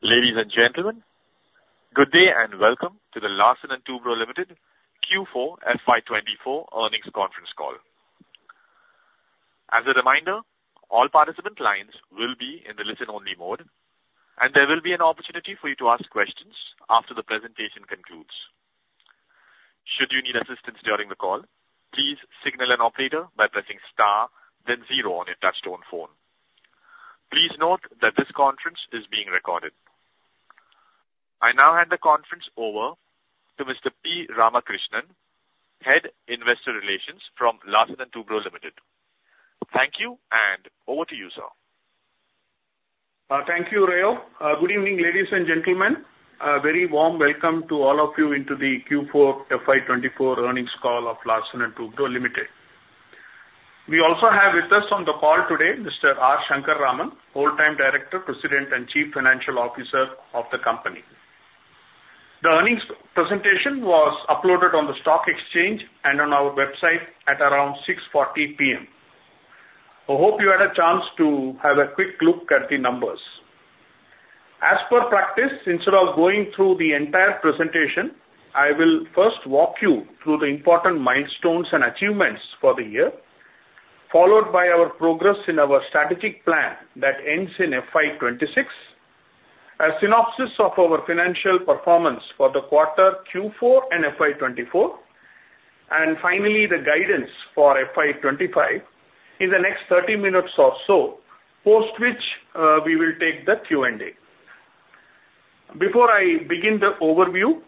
Ladies and gentlemen, good day, and welcome to the Larsen & Toubro Limited Q4 FY24 earnings conference call. As a reminder, all participant lines will be in the listen-only mode, and there will be an opportunity for you to ask questions after the presentation concludes. Should you need assistance during the call, please signal an operator by pressing star then zero on your touchtone phone. Please note that this conference is being recorded. I now hand the conference over to Mr. P. Ramakrishnan, Head, Investor Relations from Larsen & Toubro Limited. Thank you, and over to you, sir. Thank you, Rayo. Good evening, ladies and gentlemen. A very warm welcome to all of you into the Q4 FY 2024 earnings call of Larsen & Toubro Limited. We also have with us on the call today Mr. R. Shankar Raman, Full-time Director, President, and Chief Financial Officer of the company. The earnings presentation was uploaded on the stock exchange and on our website at around 6:40 P.M. I hope you had a chance to have a quick look at the numbers. As per practice, instead of going through the entire presentation, I will first walk you through the important milestones and achievements for the year, followed by our progress in our strategic plan that ends in FY 2026, a synopsis of our financial performance for the quarter Q4 and FY 2024, and finally, the guidance for FY 2025 in the next 30 minutes or so, post which, we will take the Q&A. Before I begin the overview,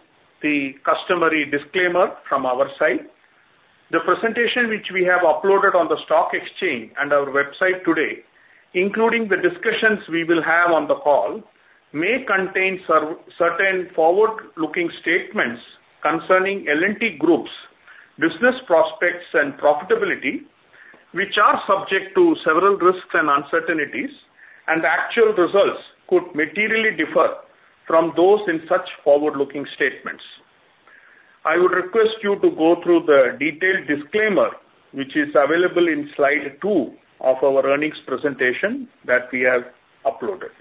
the customary disclaimer from our side: The presentation which we have uploaded on the stock exchange and our website today, including the discussions we will have on the call, may contain certain forward-looking statements concerning L&T Group's business prospects and profitability, which are subject to several risks and uncertainties, and the actual results could materially differ from those in such forward-looking statements. I would request you to go through the detailed disclaimer, which is available in slide two of our earnings presentation that we have uploaded.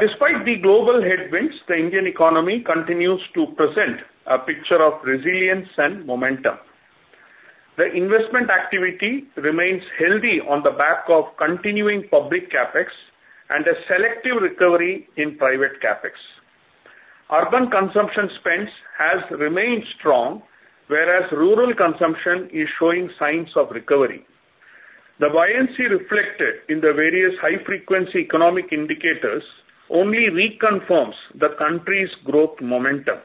Despite the global headwinds, the Indian economy continues to present a picture of resilience and momentum. The investment activity remains healthy on the back of continuing public CapEx and a selective recovery in private CapEx. Urban consumption spends has remained strong, whereas rural consumption is showing signs of recovery. The bouyancy reflected in the various high-frequency economic indicators only reconfirms the country's growth momentum.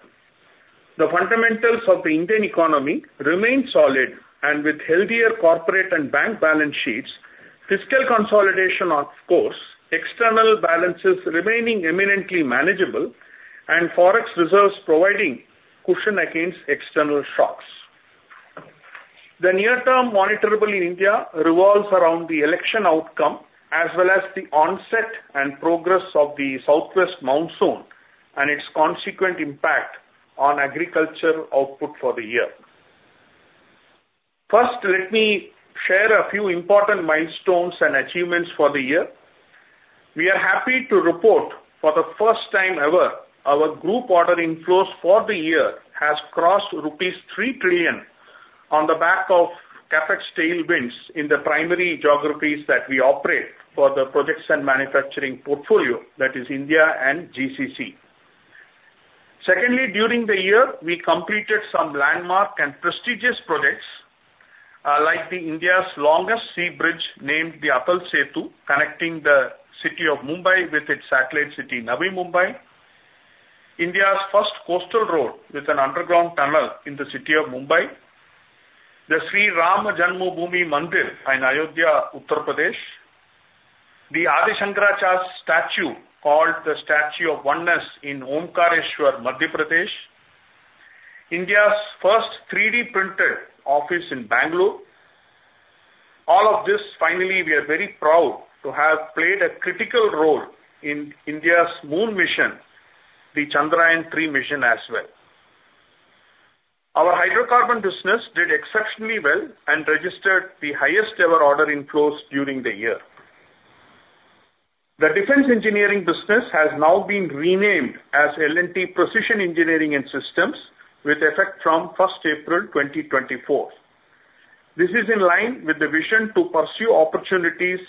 The fundamentals of the Indian economy remain solid, and with healthier corporate and bank balance sheets, fiscal consolidation, of course, external balances remaining imminently manageable, and forex reserves providing cushion against external shocks. The near-term monitorable in India revolves around the election outcome, as well as the onset and progress of the southwest monsoon and its consequent impact on agriculture output for the year. First, let me share a few important milestones and achievements for the year. We are happy to report, for the first time ever, our group order inflows for the year has crossed rupees 3 trillion on the back of CapEx tailwinds in the primary geographies that we operate for the projects and manufacturing portfolio, that is India and GCC. Secondly, during the year, we completed some landmark and prestigious projects, like India's longest sea bridge, named the Atal Setu, connecting the city of Mumbai with its satellite city, Navi Mumbai. India's first Coastal Road with an underground tunnel in the city of Mumbai. The Sri Rama Janmabhoomi Mandir in Ayodhya, Uttar Pradesh. The Adi Shankaracharya statue, called the Statue of Oneness, in Omkareshwar, Madhya Pradesh. India's first 3D-printed office in Bangalore. All of this, finally, we are very proud to have played a critical role in India's moon mission, the Chandrayaan-3 mission, as well. Our hydrocarbon business did exceptionally well and registered the highest-ever order inflows during the year. The defense engineering business has now been renamed as L&T Precision Engineering & Systems, with effect from first April 2024. This is in line with the vision to pursue opportunities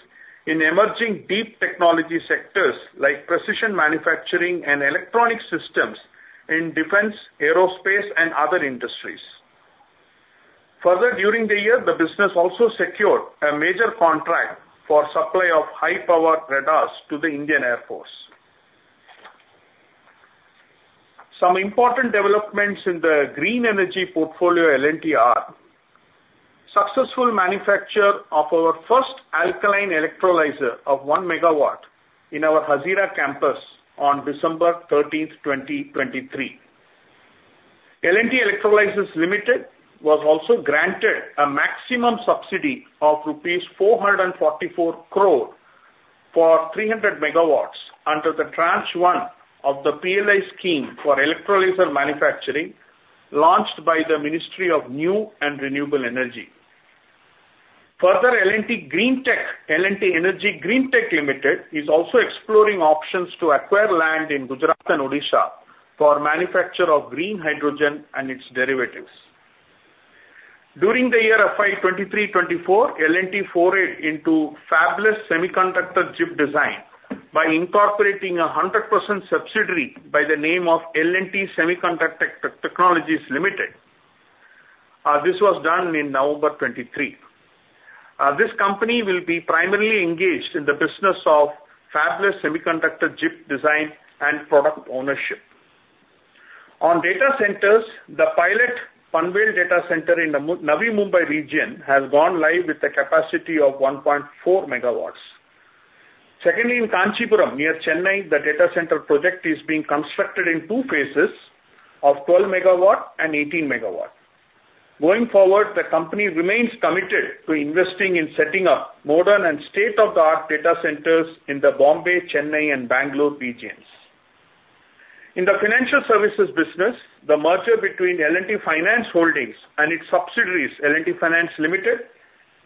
in emerging deep technology sectors like precision manufacturing and electronic systems in defense, aerospace, and other industries. Further, during the year, the business also secured a major contract for supply of high-power radars to the Indian Air Force. Some important developments in the green energy portfolio L&T's are successful manufacture of our first alkaline electrolyzer of 1 MW in our Hazira campus on December 13th, 2023. L&T Electrolysers Limited was also granted a maximum subsidy of rupees 444 crore for 300 MW under the Tranche I of the PLI scheme for electrolyzer manufacturing, launched by the Ministry of New and Renewable Energy. Further, L&T Energy Green Tech Limited is also exploring options to acquire land in Gujarat and Odisha for manufacture of green hydrogen and its derivatives. During the year of FY 2023-24, L&T forayed into fabless semiconductor chip design by incorporating a 100% subsidiary by the name of L&T Semiconductor Technologies Limited. This was done in November 2023. This company will be primarily engaged in the business of fabless semiconductor chip design and product ownership. On data centers, the pilot Panvel Data Center in the Navi Mumbai region has gone live with a capacity of 1.4 MW. Secondly, in Kanchipuram, near Chennai, the data center project is being constructed in two phases of 12 MW and 18 MW. Going forward, the company remains committed to investing in setting up modern and state-of-the-art data centers in the Bombay, Chennai and Bangalore regions. In the financial services business, the merger between L&T Finance Holdings and its subsidiaries, L&T Finance Limited,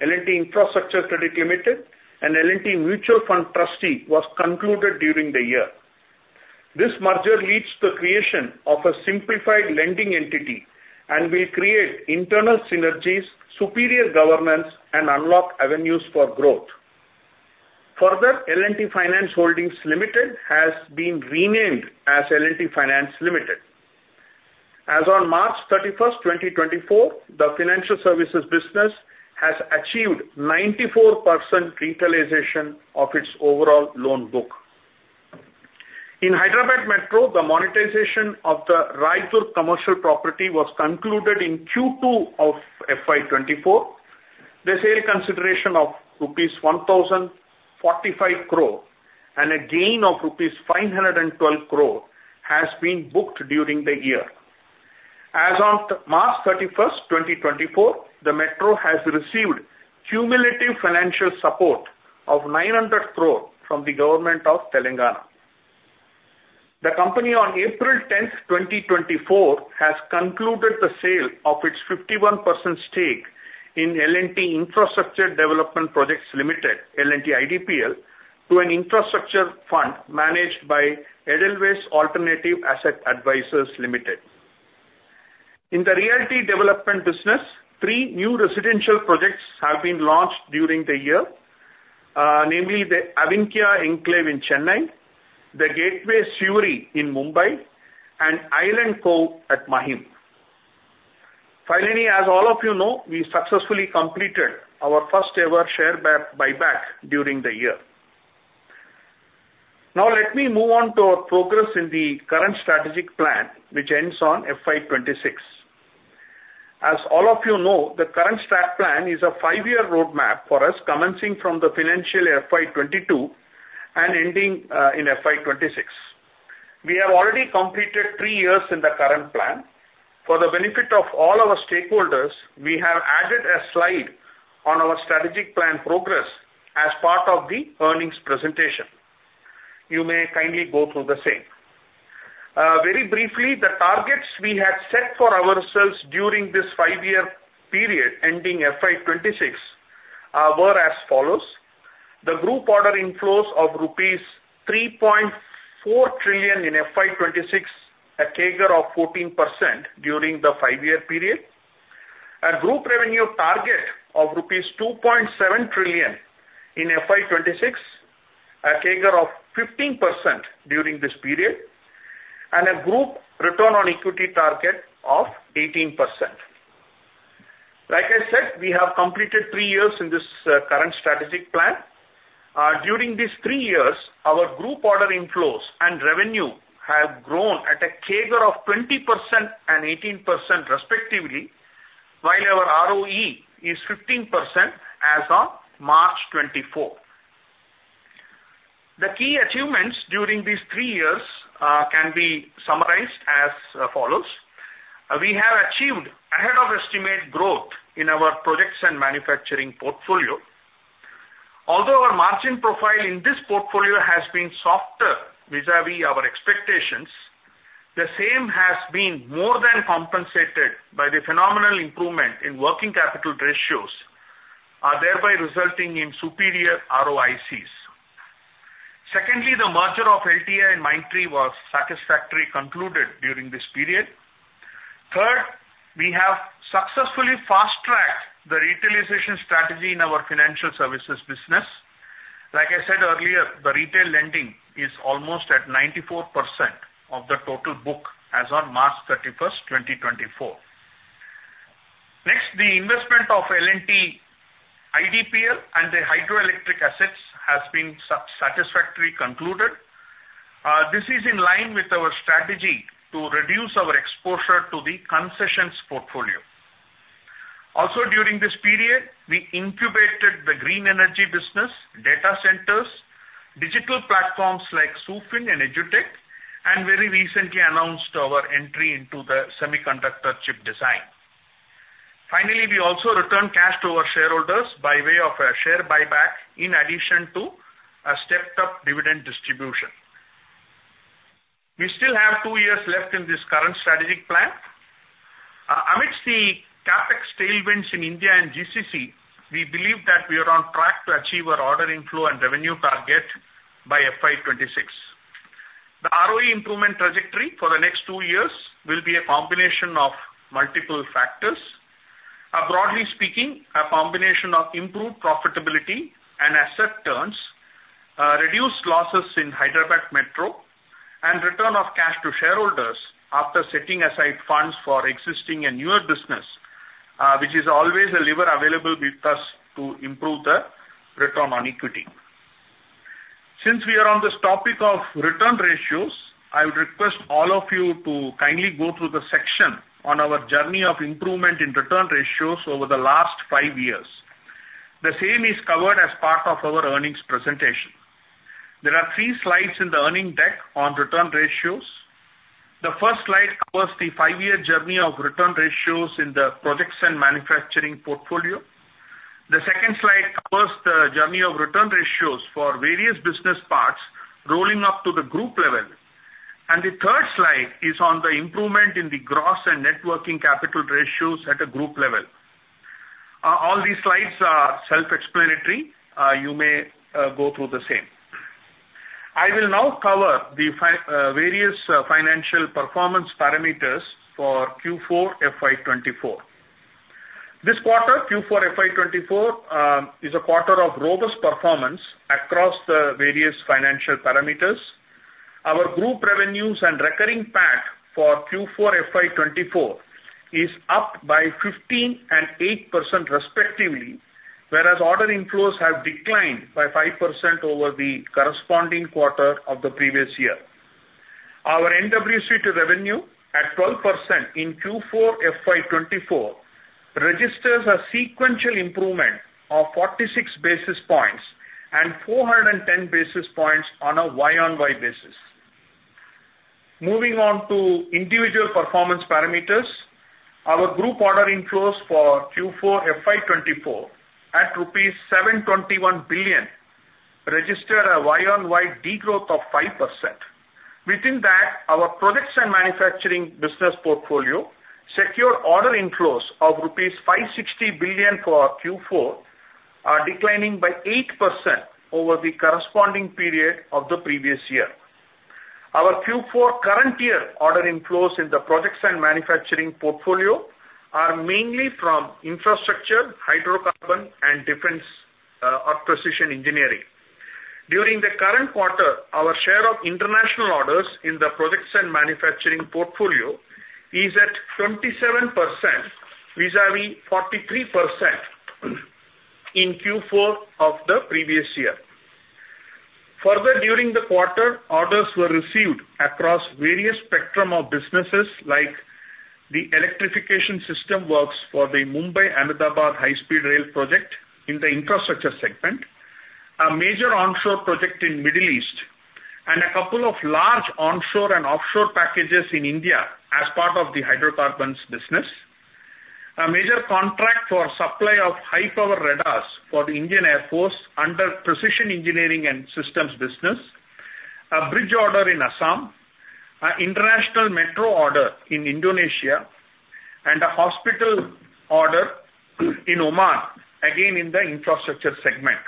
L&T Infrastructure Credit Limited, and L&T Mutual Fund Trustee, was concluded during the year. This merger leads to creation of a simplified lending entity and will create internal synergies, superior governance, and unlock avenues for growth. Further, L&T Finance Holdings Limited has been renamed as L&T Finance Limited. As on March 31, 2024, the financial services business has achieved 94% retailization of its overall loan book. In Hyderabad Metro, the monetization of the Raidurg commercial property was concluded in Q2 of FY 2024. The sale consideration of rupees 1,045 crore and a gain of rupees 512 crore has been booked during the year. As of March 31, 2024, the metro has received cumulative financial support of 900 crore from the Government of Telangana. The company, on April 10, 2024, has concluded the sale of its 51% stake in L&T Infrastructure Development Projects Limited, L&T IDPL, to an infrastructure fund managed by Edelweiss Alternative Asset Advisors Limited. In the realty development business, three new residential projects have been launched during the year, namely the L&T Avinya Enclave in Chennai, the L&T Gateway Sewri in Mumbai, and L&T Island Cove at Mahim. Finally, as all of you know, we successfully completed our first-ever share buyback during the year. Now, let me move on to our progress in the current strategic plan, which ends on FY 2026. As all of you know, the current strat plan is a five-year roadmap for us, commencing from the financial FY 2022 and ending in FY 2026. We have already completed three years in the current plan. For the benefit of all our stakeholders, we have added a slide on our strategic plan progress as part of the earnings presentation. You may kindly go through the same. Very briefly, the targets we had set for ourselves during this 5-year period, ending FY 2026, were as follows: The group order inflows of rupees 3.4 trillion in FY 2026, a CAGR of 14% during the 5-year period, a group revenue target of rupees 2.7 trillion in FY 2026, a CAGR of 15% during this period, and a group return on equity target of 18%. Like I said, we have completed 3 years in this current strategic plan. During these three years, our group order inflows and revenue have grown at a CAGR of 20% and 18% respectively, while our ROE is 15% as of March 2024. The key achievements during these three years can be summarized as follows. We have achieved ahead of estimate growth in our projects and manufacturing portfolio. Although our margin profile in this portfolio has been softer vis-a-vis our expectations, the same has been more than compensated by the phenomenal improvement in working capital ratios, thereby resulting in superior ROICs. Secondly, the merger of LTI and Mindtree was satisfactorily concluded during this period. Third, we have successfully fast-tracked the retailization strategy in our financial services business. Like I said earlier, the retail lending is almost at 94% of the total book as on March 31, 2024. Next, the investment of L&T IDPL and the hydroelectric assets has been satisfactorily concluded. This is in line with our strategy to reduce our exposure to the concessions portfolio. Also, during this period, we incubated the green energy business, data centers, digital platforms like SuFin and EduTech, and very recently announced our entry into the semiconductor chip design. Finally, we also returned cash to our shareholders by way of a share buyback, in addition to a stepped-up dividend distribution. Two years left in this current strategic plan. Amidst the CapEx tailwinds in India and GCC, we believe that we are on track to achieve our order inflow and revenue target by FY 2026. The ROE improvement trajectory for the next two years will be a combination of multiple factors. Broadly speaking, a combination of improved profitability and asset turns, reduced losses in Hyderabad Metro, and return of cash to shareholders after setting aside funds for existing and newer business, which is always a lever available with us to improve the return on equity. Since we are on this topic of return ratios, I would request all of you to kindly go through the section on our journey of improvement in return ratios over the last five years. The same is covered as part of our earnings presentation. There are three slides in the earnings deck on return ratios. The first slide covers the five-year journey of return ratios in the projects and manufacturing portfolio. The second slide covers the journey of return ratios for various business parts rolling up to the group level, and the third slide is on the improvement in the gross and net working capital ratios at a group level. All these slides are self-explanatory. You may go through the same. I will now cover the various financial performance parameters for Q4 FY 2024. This quarter, Q4 FY 2024, is a quarter of robust performance across the various financial parameters. Our group revenues and recurring PAT for Q4 FY 2024 is up by 15% and 8% respectively, whereas order inflows have declined by 5% over the corresponding quarter of the previous year. Our NWC to revenue at 12% in Q4 FY 2024 registers a sequential improvement of 46 basis points and 410 basis points on a Y-o-Y basis. Moving on to individual performance parameters, our group order inflows for Q4 FY 2024 at rupees 721 billion register a Y-o-Y degrowth of 5%. Within that, our projects and manufacturing business portfolio secure order inflows of rupees 560 billion for Q4, declining by 8% over the corresponding period of the previous year. Our Q4 current year order inflows in the projects and manufacturing portfolio are mainly from infrastructure, hydrocarbon, and defense, or precision engineering. During the current quarter, our share of international orders in the projects and manufacturing portfolio is at 27%, vis-a-vis 43% in Q4 of the previous year. Further, during the quarter, orders were received across various spectrum of businesses, like the electrification system works for the Mumbai-Ahmedabad High-Speed Rail project in the infrastructure segment, a major onshore project in Middle East, and a couple of large onshore and offshore packages in India as part of the hydrocarbons business, a major contract for supply of high-power radars for the Indian Air Force under precision engineering systems business, a bridge order in Assam, an international metro order in Indonesia, and a hospital order in Oman, again, in the infrastructure segment.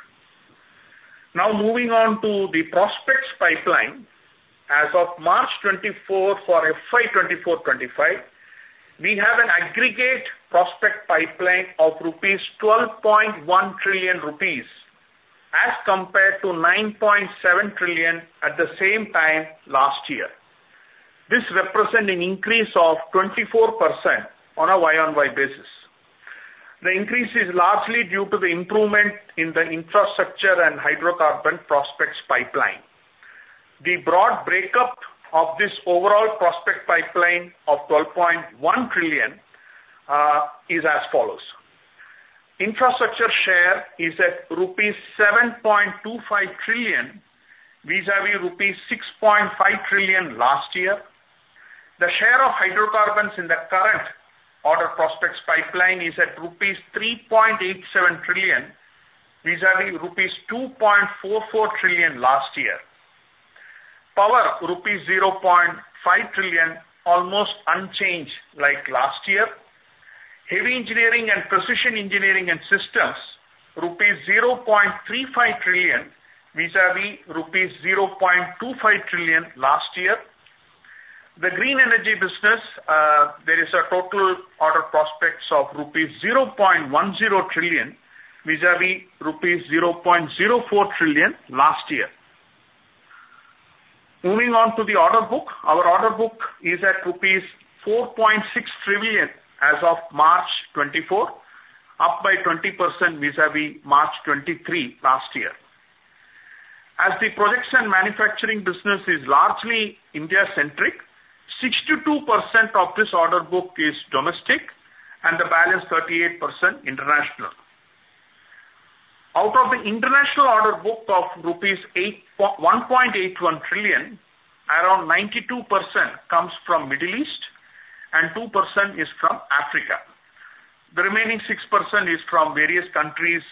Now moving on to the prospects pipeline. As of March 2024 for FY 2024-25, we have an aggregate prospect pipeline of 12.1 trillion rupees, as compared to 9.7 trillion at the same time last year. This represents an increase of 24% on a year-on-year basis. The increase is largely due to the improvement in the infrastructure and hydrocarbon prospects pipeline. The broad breakup of this overall prospect pipeline of 12.1 trillion is as follows: infrastructure share is at rupees 7.25 trillion, vis-à-vis rupees 6.5 trillion last year. The share of hydrocarbons in the current order prospects pipeline is at rupees 3.87 trillion, vis-à-vis rupees 2.44 trillion last year. Power, rupees 0.5 trillion, almost unchanged like last year. Heavy engineering and precision engineering and systems, rupees 0.35 trillion, vis-à-vis rupees 0.25 trillion last year. The green energy business, there is a total order prospects of rupees 0.10 trillion, vis-à-vis rupees 0.04 trillion last year. Moving on to the order book. Our order book is at rupees 4.6 trillion as of March 2024, up by 20% vis-a-vis March 2023 last year. As the projects and manufacturing business is largely India-centric, 62% of this order book is domestic and the balance 38% international. Out of the international order book of rupees 1.81 trillion, around 92% comes from Middle East and 2% is from Africa from various countries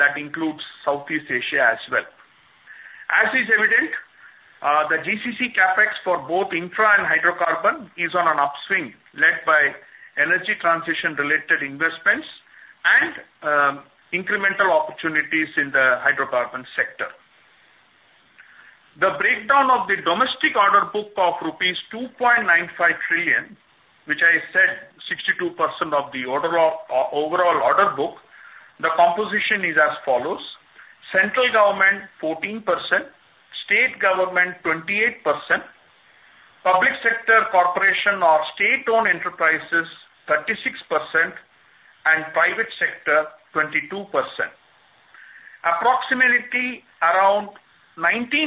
that includes Southeast Asia as well. As is evident, the GCC CapEx for both infra and hydrocarbon is on an upswing, led by energy transition-related investments and, incremental opportunities in the hydrocarbon sector. The breakdown of the domestic order book of rupees 2.95 trillion, which I said 62% of the order of overall order book, the composition is as follows: central government, 14%; state government, 28%; public sector corporation or state-owned enterprises, 36%; and private sector, 22%. Approximately around 19%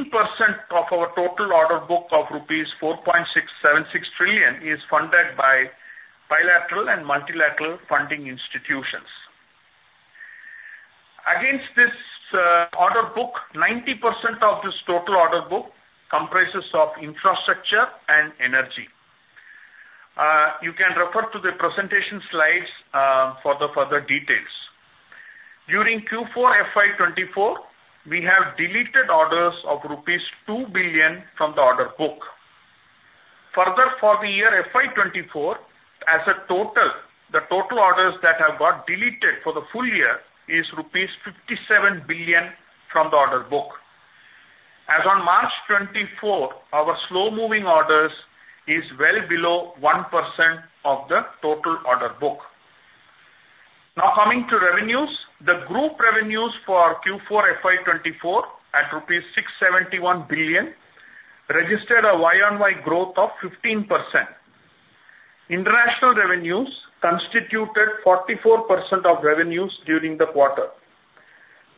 of our total order book of rupees 4.676 trillion is funded by bilateral and multilateral funding institutions. Against this order book, 90% of this total order book comprises of infrastructure and energy. You can refer to the presentation slides for the further details. During Q4 FY 2024, we have deleted orders of rupees 2 billion from the order book. Further, for the year FY 2024, as a total, the total orders that have got deleted for the full year is rupees 57 billion from the order book. As on March 2024, our slow-moving orders is well below 1% of the total order book. Now coming to revenues. The group revenues for Q4 FY 2024, at INR 671 billion, registered a year-over-year growth of 15%. International revenues constituted 44% of revenues during the quarter.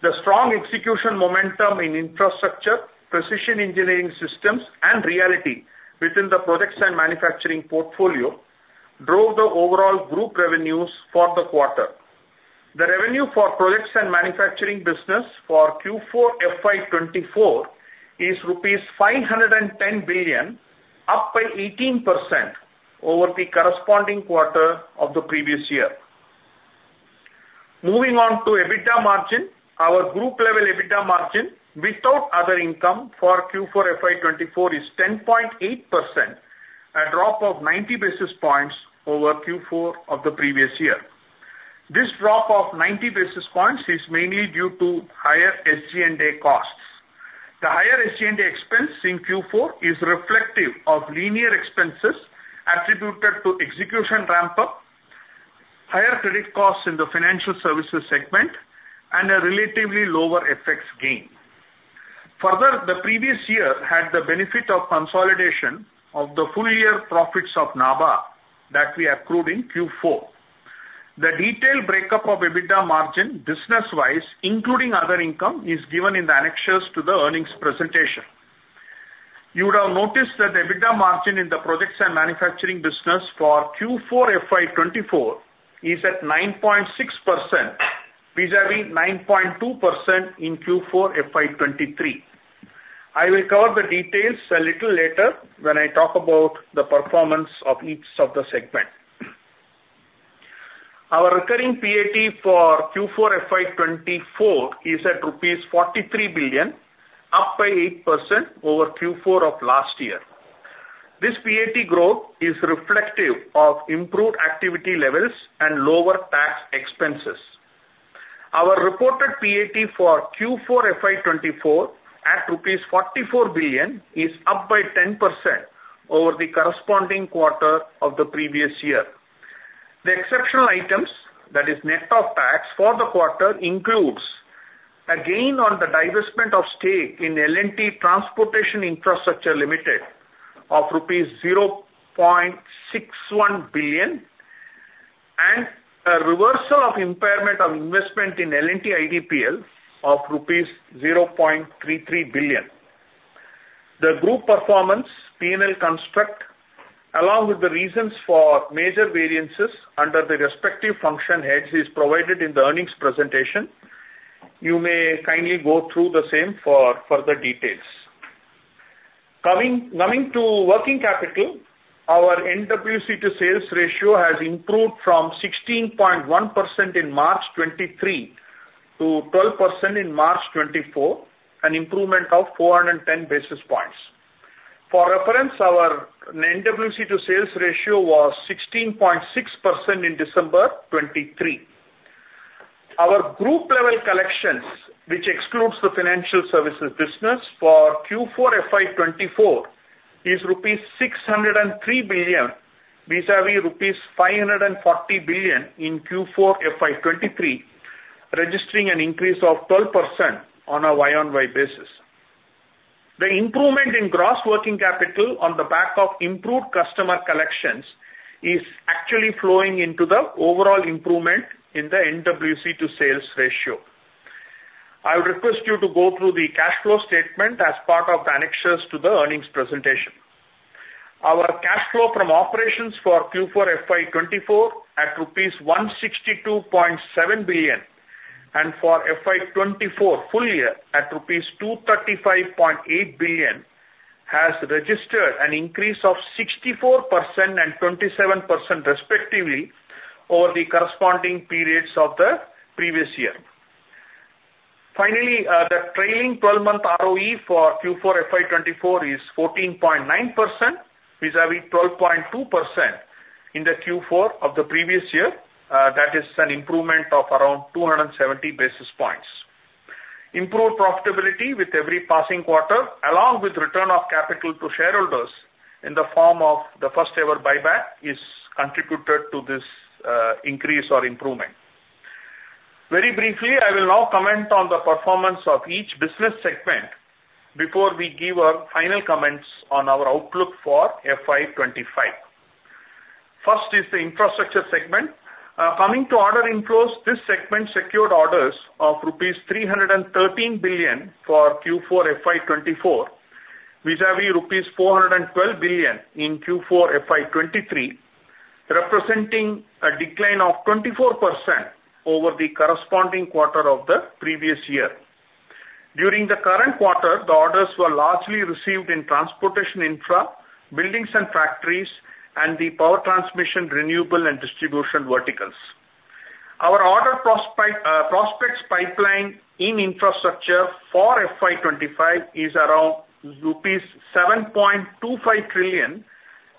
The strong execution momentum in infrastructure, precision engineering systems, and realty within the projects and manufacturing portfolio drove the overall group revenues for the quarter. The revenue for projects and manufacturing business for Q4 FY 2024 is rupees 510 billion, up by 18% over the corresponding quarter of the previous year. Moving on to EBITDA margin. Our group level EBITDA margin, without other income for Q4 FY 2024, is 10.8%, a drop of 90 basis points over Q4 of the previous year. This drop of 90 basis points is mainly due to higher SG&A costs. The higher SG&A expense in Q4 is reflective of linear expenses attributed to execution ramp-up, higher credit costs in the financial services segment, and a relatively lower FX gain. Further, the previous year had the benefit of consolidation of the full year profits of Nabha that we accrued in Q4. The detailed breakup of EBITDA margin, business-wise, including other income, is given in the annexures to the earnings presentation. You would have noticed that the EBITDA margin in the projects and manufacturing business for Q4 FY 2024 is at 9.6%, vis-à-vis 9.2% in Q4 FY 2023. I will cover the details a little later when I talk about the performance of each of the segment. Our recurring PAT for Q4 FY 2024 is at rupees 43 billion, up by 8% over Q4 of last year. This PAT growth is reflective of improved activity levels and lower tax expenses. Our reported PAT for Q4 FY 2024, at rupees 44 billion, is up by 10% over the corresponding quarter of the previous year. The exceptional items, that is net of tax, for the quarter includes: a gain on the divestment of stake in L&T Transportation Infrastructure Limited of rupees 0.61 billion, and a reversal of impairment on investment in L&T IDPL of rupees 0.33 billion. The group performance P&L construct, along with the reasons for major variances under the respective function heads, is provided in the earnings presentation. You may kindly go through the same for further details. Coming, coming to working capital, our NWC to sales ratio has improved from 16.1% in March 2023 to 12% in March 2024, an improvement of 410 basis points. For reference, our NWC to sales ratio was 16.6% in December 2023. Our group level collections, which excludes the financial services business for Q4 FY 2024, is rupees 603 billion, vis-à-vis rupees 540 billion in Q4 FY 2023, registering an increase of 12% on a Y-on-Y basis. The improvement in gross working capital on the back of improved customer collections is actually flowing into the overall improvement in the NWC to sales ratio. I request you to go through the cash flow statement as part of the annexures to the earnings presentation. Our cash flow from operations for Q4 FY 2024, at rupees 162.7 billion, and for FY 2024 full year, at rupees 235.8 billion, has registered an increase of 64% and 27% respectively, over the corresponding periods of the previous year. Finally, the trailing twelve-month ROE for Q4 FY 2024 is 14.9%, vis-à-vis 12.2% in the Q4 of the previous year, that is an improvement of around 270 basis points. Improved profitability with every passing quarter, along with return of capital to shareholders in the form of the first-ever buyback, is contributed to this, increase or improvement. Very briefly, I will now comment on the performance of each business segment before we give our final comments on our outlook for FY 2025. First is the infrastructure segment. Coming to order inflows, this segment secured orders of INR 313 billion for Q4 FY 2024, vis-à-vis INR 412 billion in Q4 FY 2023, representing a decline of 24% over the corresponding quarter of the previous year. During the current quarter, the orders were largely received in transportation infra, buildings and factories, and the power transmission, renewable and distribution verticals. Our order prospects pipeline in infrastructure for FY 2025 is around rupees 7.25 trillion,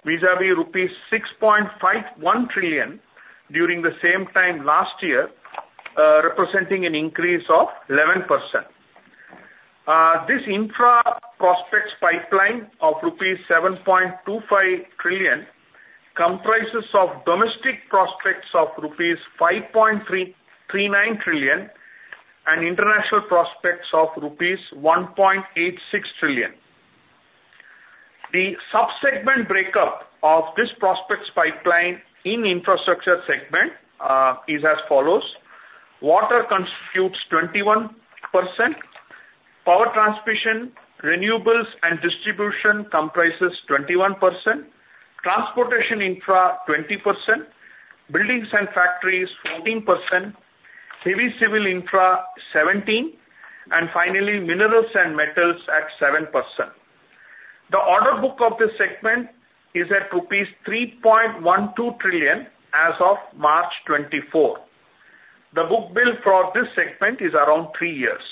vis-à-vis rupees 6.51 trillion during the same time last year, representing an increase of 11%. This infra prospects pipeline of rupees 7.25 trillion comprises of domestic prospects of rupees 5.339 trillion and international prospects of rupees 1.86 trillion. The sub-segment breakup of this prospects pipeline in infrastructure segment is as follows: water constitutes 21%; power transmission, renewables, and distribution comprises 21%; transportation infra, 20%; buildings and factories, 14%; heavy civil infra, 17%; and finally, minerals and metals at 7%. The order book of this segment is at rupees 3.12 trillion as of March 2024. The book bill for this segment is around 3 years.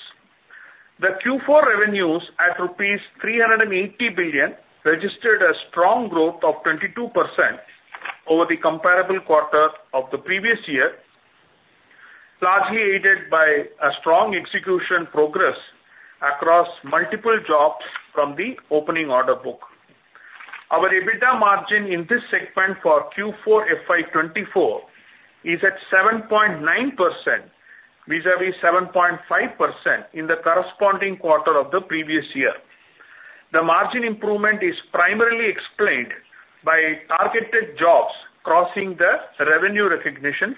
The Q4 revenues at INR 380 billion registered a strong growth of 22% over the comparable quarter of the previous year, largely aided by a strong execution progress across multiple jobs from the opening order book. Our EBITDA margin in this segment for Q4 FY 2024 is at 7.9%, vis-à-vis 7.5% in the corresponding quarter of the previous year. The margin improvement is primarily explained by targeted jobs crossing the revenue recognition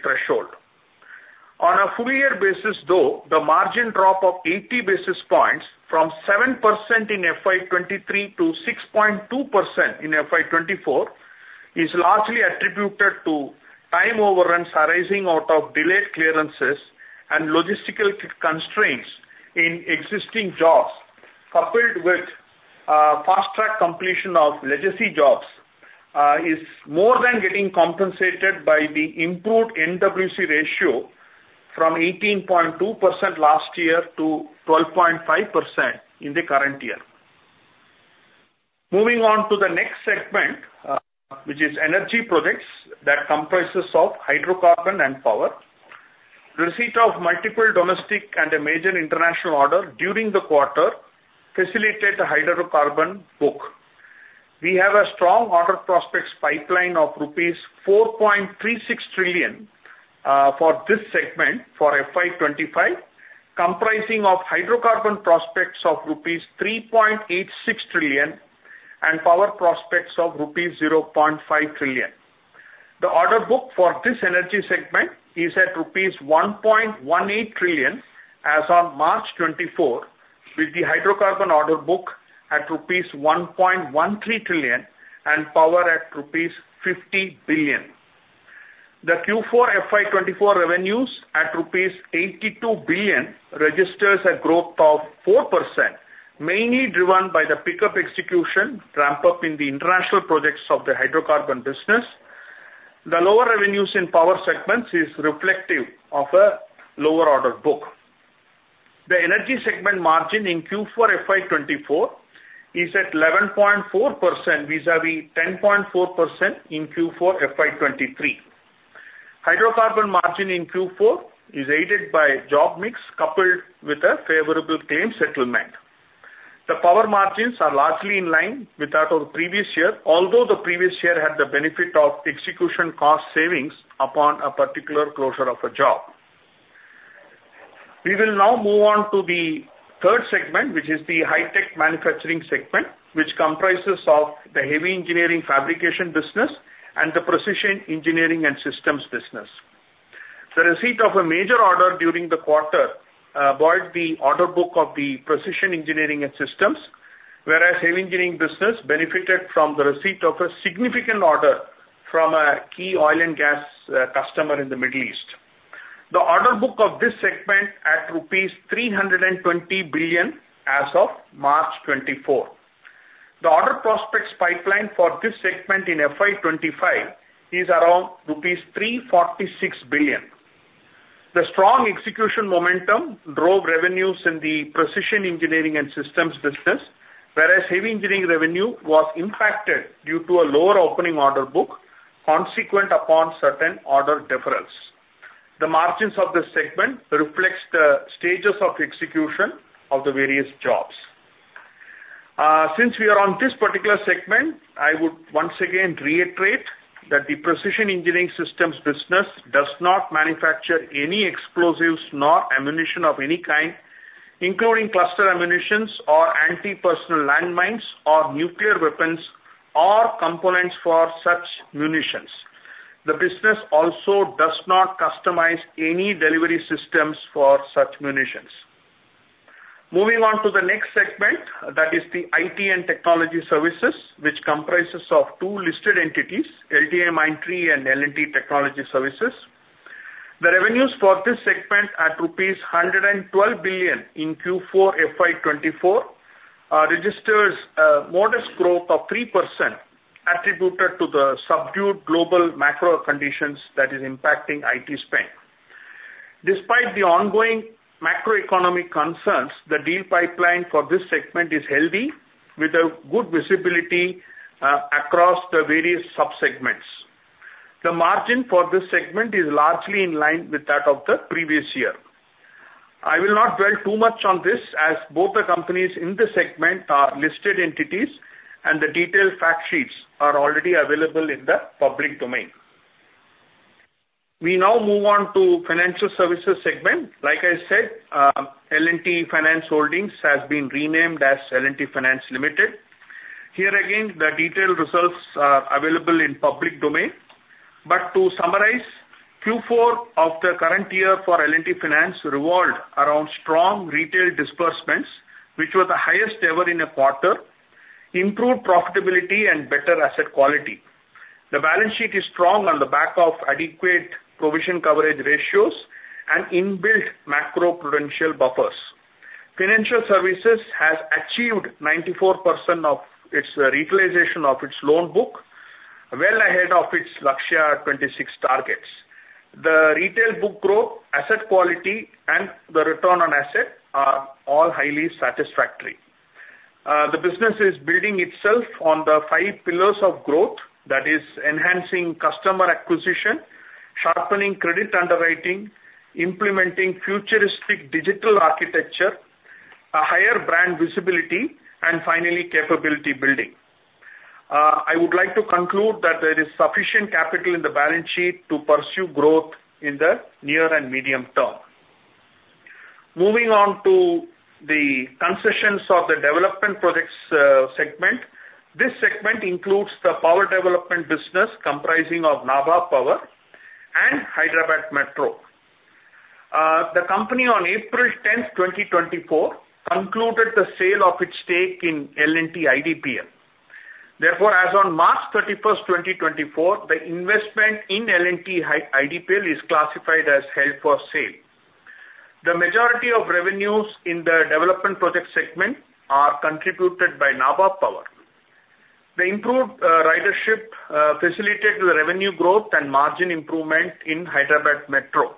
threshold. On a full year basis, though, the margin drop of 80 basis points from 7% in FY 2023 to 6.2% in FY 2024 is largely attributed to time overruns arising out of delayed clearances and logistical constraints in existing jobs, coupled with fast-track completion of legacy jobs, is more than getting compensated by the improved NWC ratio from 18.2% last year to 12.5% in the current year. Moving on to the next segment, which is energy projects, that comprises of hydrocarbon and power. Receipt of multiple domestic and a major international order during the quarter facilitated the hydrocarbon book. We have a strong order prospects pipeline of rupees 4.36 trillion, for this segment for FY 2025, comprising of hydrocarbon prospects of rupees 3.86 trillion and power prospects of rupees 0.5 trillion. The order book for this energy segment is at rupees 1.18 trillion as of March 2024, with the hydrocarbon order book at rupees 1.13 trillion and power at rupees 50 billion. The Q4 FY 2024 revenues at rupees 82 billion, registers a growth of 4%, mainly driven by the pickup execution ramp-up in the international projects of the hydrocarbon business. The lower revenues in power segments is reflective of a lower order book. The energy segment margin in Q4 FY 2024 is at 11.4%, vis-à-vis 10.4% in Q4 FY 2023. Hydrocarbon margin in Q4 is aided by job mix, coupled with a favorable claim settlement. The power margins are largely in line with that of the previous year, although the previous year had the benefit of execution cost savings upon a particular closure of a job. We will now move on to the third segment, which is the high-tech manufacturing segment, which comprises of the heavy engineering fabrication business and the precision engineering systems business. The receipt of a major order during the quarter built the order book of the precision engineering systems, whereas heavy engineering business benefited from the receipt of a significant order from a key oil and gas customer in the Middle East. The order book of this segment at rupees 320 billion as of March 2024. The order prospects pipeline for this segment in FY 25 is around rupees 346 billion. The strong execution momentum drove revenues in the precision engineering and systems business, whereas heavy engineering revenue was impacted due to a lower opening order book, consequent upon certain order deferrals. The margins of this segment reflects the stages of execution of the various jobs. Since we are on this particular segment, I would once again reiterate that the precision engineering systems business does not manufacture any explosives nor ammunition of any kind, including cluster ammunitions or anti-personnel landmines, or nuclear weapons, or components for such munitions. The business also does not customize any delivery systems for such munitions. Moving on to the next segment, that is the IT and technology services, which comprises of two listed entities, LTIMindtree and L&T Technology Services. The revenues for this segment are INR 112 billion in Q4 FY 2024, registers a modest growth of 3%, attributed to the subdued global macro conditions that is impacting IT spend. Despite the ongoing macroeconomic concerns, the deal pipeline for this segment is healthy, with a good visibility across the various subsegments. The margin for this segment is largely in line with that of the previous year. I will not dwell too much on this, as both the companies in this segment are listed entities, and the detailed fact sheets are already available in the public domain. We now move on to financial services segment. Like I said, L&T Finance Holdings has been renamed as L&T Finance Limited. Here again, the detailed results are available in public domain. But to summarize, Q4 of the current year for L&T Finance revolved around strong retail disbursements, which were the highest ever in a quarter, improved profitability and better asset quality. The balance sheet is strong on the back of adequate provision coverage ratios and inbuilt macroprudential buffers. Financial services has achieved 94% of its retailization of its loan book, well ahead of its Lakshya 2026 targets. The retail book growth, asset quality, and the return on asset are all highly satisfactory. The business is building itself on the 5 pillars of growth. That is, enhancing customer acquisition, sharpening credit underwriting, implementing futuristic digital architecture, a higher brand visibility, and finally, capability building. I would like to conclude that there is sufficient capital in the balance sheet to pursue growth in the near and medium term. Moving on to the concessions of the development projects segment. This segment includes the power development business comprising of Nabha Power and Hyderabad Metro. The company, on April tenth, 2024, concluded the sale of its stake in L&T IDPL. Therefore, as on March thirty-first, 2024, the investment in L&T IDPL is classified as held for sale. The majority of revenues in the development project segment are contributed by Nabha Power. The improved ridership facilitated the revenue growth and margin improvement in Hyderabad Metro.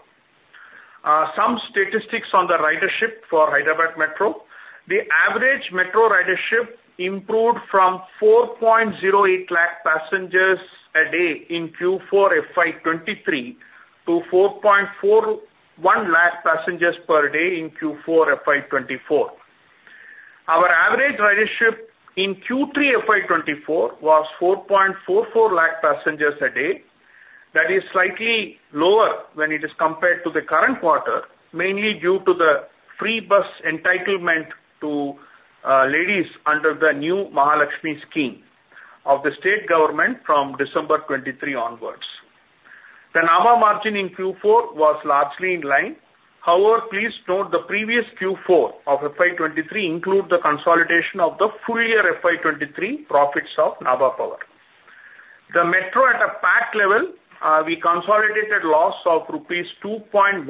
Some statistics on the ridership for Hyderabad Metro. The average metro ridership improved from 4.08 lakh passengers a day in Q4 FY 2023, to 4.41 lakh passengers per day in Q4 FY 2024. Our average ridership in Q3 FY 2024 was 4.44 lakh passengers a day. That is slightly lower when it is compared to the current quarter, mainly due to the free bus entitlement to ladies under the new Mahalakshmi scheme of the state government from December 2023 onwards. The Nabha margin in Q4 was largely in line. However, please note the previous Q4 of FY 2023 include the consolidation of the full year FY 2023 profits of Nabha Power. The metro at a P&L level, we consolidated loss of rupees 2.11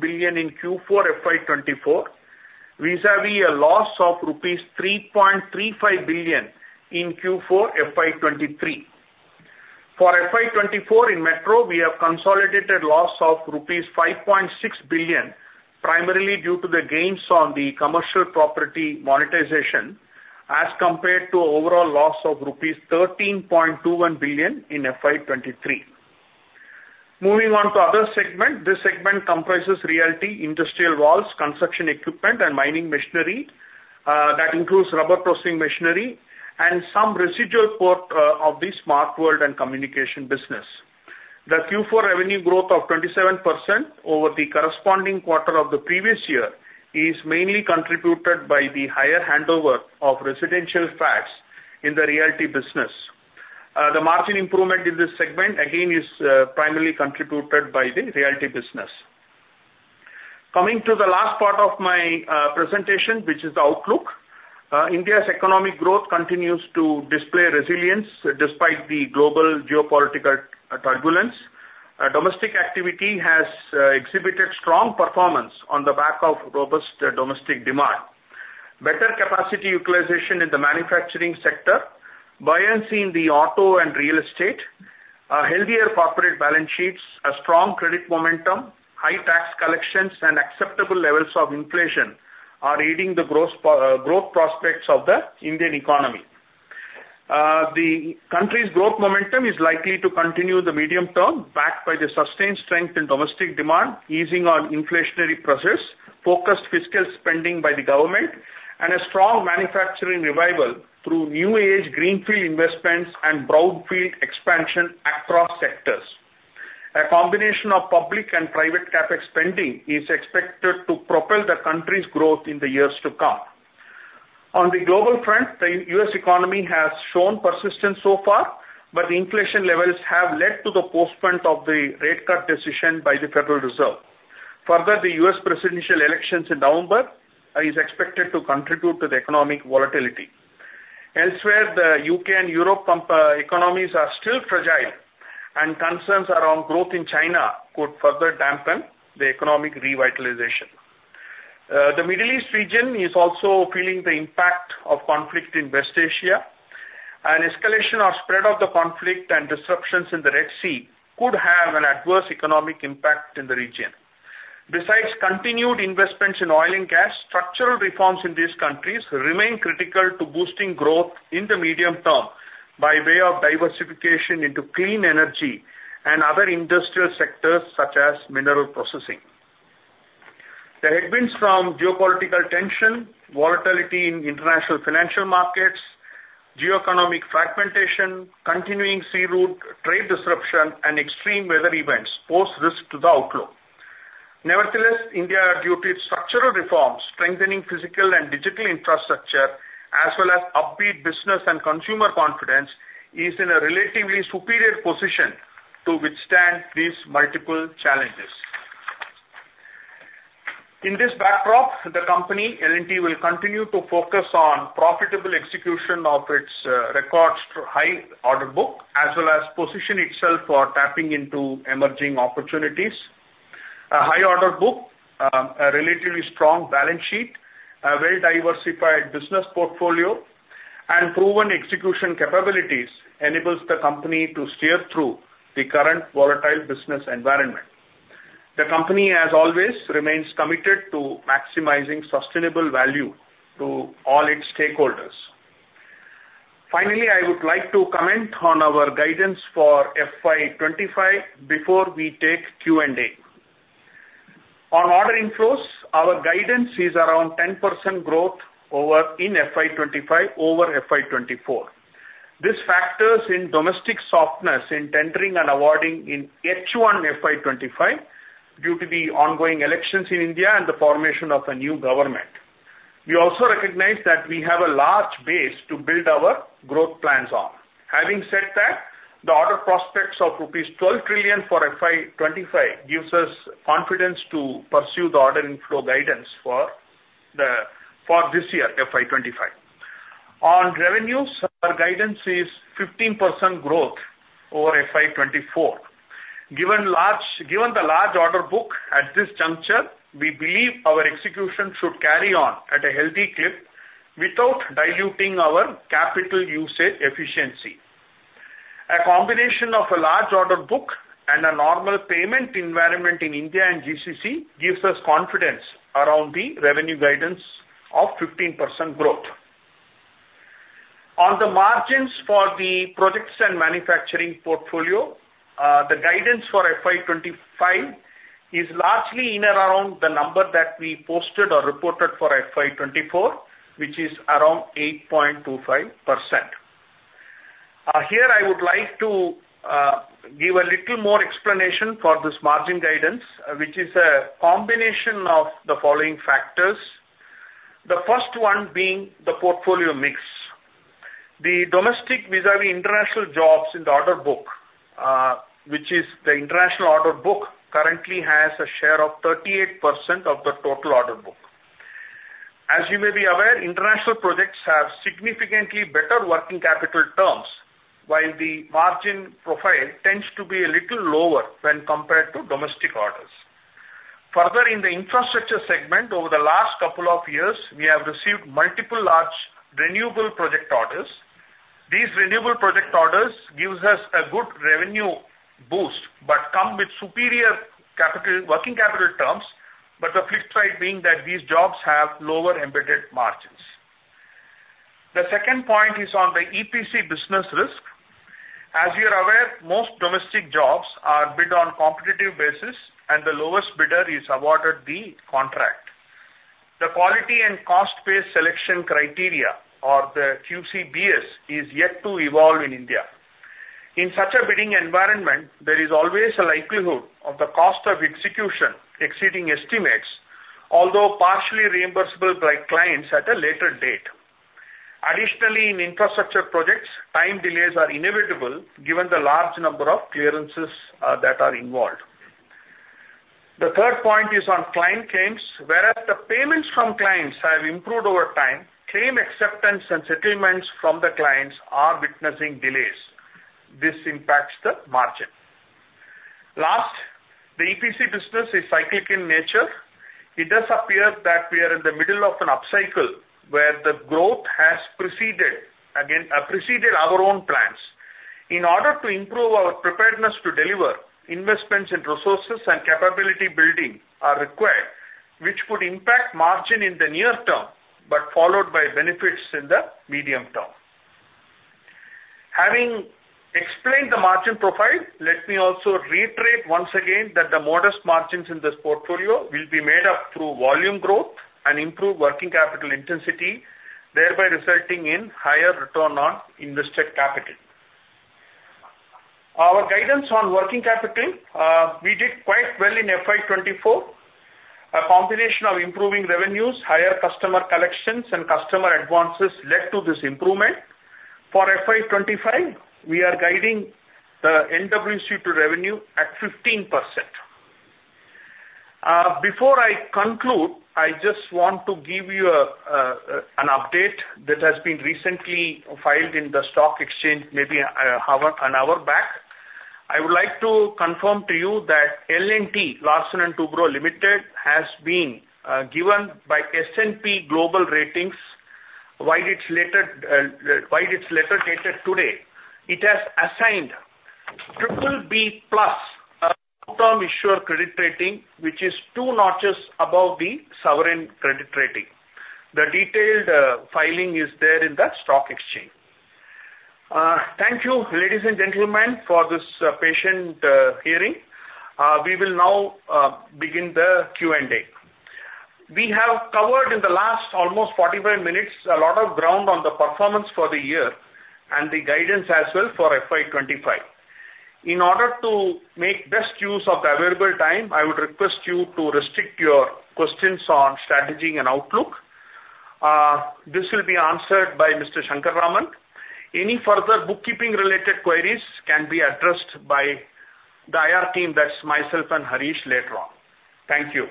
billion in Q4 FY 2024, vis-a-vis a loss of rupees 3.35 billion in Q4 FY 2023. For FY 2024 in metro, we have consolidated loss of rupees 5.6 billion, primarily due to the gains on the commercial property monetization, as compared to overall loss of rupees 13.21 billion in FY 2023. Moving on to other segment. This segment comprises realty, industrial valves, construction equipment, and mining machinery, that includes rubber processing machinery and some residual part, of the smart world and communication business. The Q4 revenue growth of 27% over the corresponding quarter of the previous year is mainly contributed by the higher handover of residential flats in the realty business. The margin improvement in this segment, again, is primarily contributed by the realty business. Coming to the last part of my presentation, which is the outlook. India's economic growth continues to display resilience despite the global geopolitical turbulence. Domestic activity has exhibited strong performance on the back of robust domestic demand. Better capacity utilization in the manufacturing sector, buoyancy in the auto and real estate, a healthier corporate balance sheets, a strong credit momentum, high tax collections, and acceptable levels of inflation are aiding the gross growth prospects of the Indian economy. The country's growth momentum is likely to continue in the medium term, backed by the sustained strength in domestic demand, easing on inflationary pressures, focused fiscal spending by the government, and a strong manufacturing revival through new age greenfield investments and brownfield expansion across sectors. A combination of public and private CapEx spending is expected to propel the country's growth in the years to come. On the global front, the U.S. economy has shown persistence so far, but the inflation levels have led to the postponement of the rate cut decision by the Federal Reserve. Further, the US presidential elections in November is expected to contribute to the economic volatility. Elsewhere, the UK and European economies are still fragile, and concerns around growth in China could further dampen the economic revitalization. The Middle East region is also feeling the impact of conflict in West Asia, and escalation or spread of the conflict and disruptions in the Red Sea could have an adverse economic impact in the region. Besides continued investments in oil and gas, structural reforms in these countries remain critical to boosting growth in the medium term by way of diversification into clean energy and other industrial sectors, such as mineral processing. The headwinds from geopolitical tension, volatility in international financial markets, geoeconomic fragmentation, continuing sea route trade disruption, and extreme weather events pose risk to the outlook. Nevertheless, India, due to its structural reforms, strengthening physical and digital infrastructure, as well as upbeat business and consumer confidence, is in a relatively superior position to withstand these multiple challenges. In this backdrop, the company, L&T, will continue to focus on profitable execution of its record high order book, as well as position itself for tapping into emerging opportunities. A high order book, a relatively strong balance sheet, a well-diversified business portfolio, and proven execution capabilities enables the company to steer through the current volatile business environment. The company, as always, remains committed to maximizing sustainable value to all its stakeholders. Finally, I would like to comment on our guidance for FY 25 before we take Q&A. On order inflows, our guidance is around 10% growth in FY 25 over FY 24. This factors in domestic softness in tendering and awarding in H1 FY25, due to the ongoing elections in India and the formation of a new government. We also recognize that we have a large base to build our growth plans on. Having said that, the order prospects of rupees 12 trillion for FY25 gives us confidence to pursue the order inflow guidance for this year, FY25. On revenues, our guidance is 15% growth over FY24. Given the large order book at this juncture, we believe our execution should carry on at a healthy clip without diluting our capital usage efficiency. A combination of a large order book and a normal payment environment in India and GCC gives us confidence around the revenue guidance of 15% growth. On the margins for the projects and manufacturing portfolio, the guidance for FY 2025 is largely in and around the number that we posted or reported for FY 2024, which is around 8.25%. Here I would like to give a little more explanation for this margin guidance, which is a combination of the following factors. The first one being the portfolio mix. The domestic vis-à-vis international jobs in the order book, which is the international order book, currently has a share of 38% of the total order book. As you may be aware, international projects have significantly better working capital terms, while the margin profile tends to be a little lower when compared to domestic orders. Further, in the infrastructure segment, over the last couple of years, we have received multiple large renewable project orders. These renewable project orders gives us a good revenue boost, but come with superior capital, working capital terms, but the flip side being that these jobs have lower embedded margins. The second point is on the EPC business risk. As you are aware, most domestic jobs are bid on competitive basis, and the lowest bidder is awarded the contract. The quality and cost-based selection criteria, or the QCBS, is yet to evolve in India. In such a bidding environment, there is always a likelihood of the cost of execution exceeding estimates, although partially reimbursable by clients at a later date.... Additionally, in infrastructure projects, time delays are inevitable given the large number of clearances that are involved. The third point is on client claims, whereas the payments from clients have improved over time, claim acceptance and settlements from the clients are witnessing delays. This impacts the margin. Last, the EPC business is cyclic in nature. It does appear that we are in the middle of an upcycle, where the growth has preceded again, preceded our own plans. In order to improve our preparedness to deliver, investments in resources and capability building are required, which could impact margin in the near term, but followed by benefits in the medium term. Having explained the margin profile, let me also reiterate once again that the modest margins in this portfolio will be made up through volume growth and improved working capital intensity, thereby resulting in higher return on invested capital. Our guidance on working capital, we did quite well in FY 24. A combination of improving revenues, higher customer collections, and customer advances led to this improvement. For FY 24, we are guiding the NWC to revenue at 15%. Before I conclude, I just want to give you an update that has been recently filed in the stock exchange, maybe an hour back. I would like to confirm to you that L&T, Larsen & Toubro Limited, has been given by S&P Global Ratings, via its letter dated today, it has assigned BBB+ long-term issuer credit rating, which is two notches above the sovereign credit rating. The detailed filing is there in the stock exchange. Thank you, ladies and gentlemen, for this patient hearing. We will now begin the Q&A. We have covered in the last almost 45 minutes a lot of ground on the performance for the year and the guidance as well for FY 2025. In order to make best use of the available time, I would request you to restrict your questions on strategy and outlook. This will be answered by Mr. Shankar Raman. Any further bookkeeping-related queries can be addressed by the IR team, that's myself and Harish, later on. Thank you.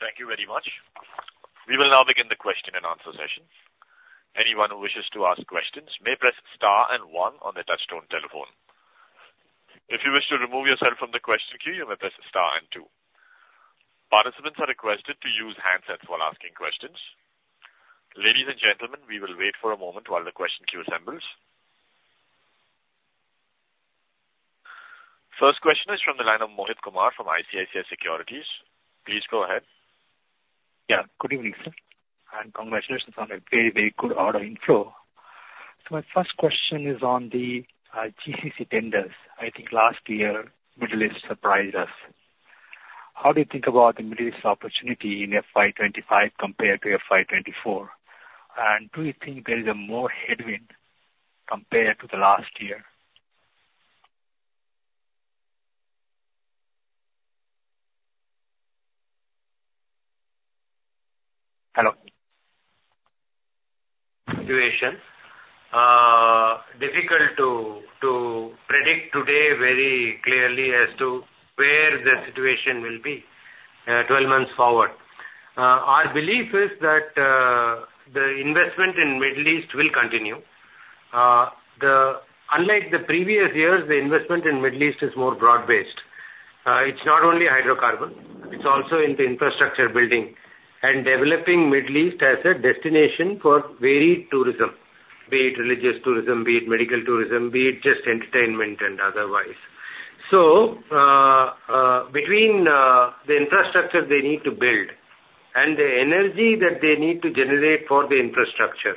Thank you very much. We will now begin the question and answer session. Anyone who wishes to ask questions may press star and one on the touch-tone telephone. If you wish to remove yourself from the question queue, you may press star and two. Participants are requested to use handsets while asking questions. Ladies and gentlemen, we will wait for a moment while the question queue assembles. First question is from the line of Mohit Kumar, from ICICI Securities. Please go ahead. Yeah. Good evening, sir, and congratulations on a very, very good order inflow. So my first question is on the GCC tenders. I think last year, Middle East surprised us. How do you think about the Middle East opportunity in FY 25 compared to FY 24? And do you think there is a more headwind compared to the last year? Hello. Situation: difficult to predict today very clearly as to where the situation will be 12 months forward. Our belief is that the investment in Middle East will continue. Unlike the previous years, the investment in Middle East is more broad-based. It's not only hydrocarbon, it's also in the infrastructure building and developing Middle East as a destination for varied tourism, be it religious tourism, be it medical tourism, be it just entertainment and otherwise. So, between the infrastructure they need to build and the energy that they need to generate for the infrastructure,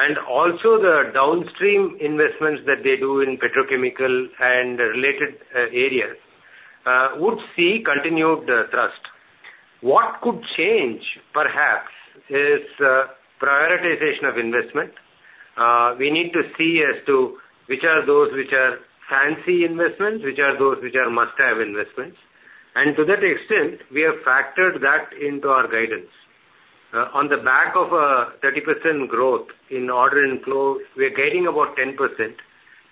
and also the downstream investments that they do in petrochemical and related areas would see continued thrust. What could change, perhaps, is prioritization of investment. We need to see as to which are those which are fancy investments, which are those which are must-have investments, and to that extent, we have factored that into our guidance. On the back of a 30% growth in order inflow, we are guiding about 10%,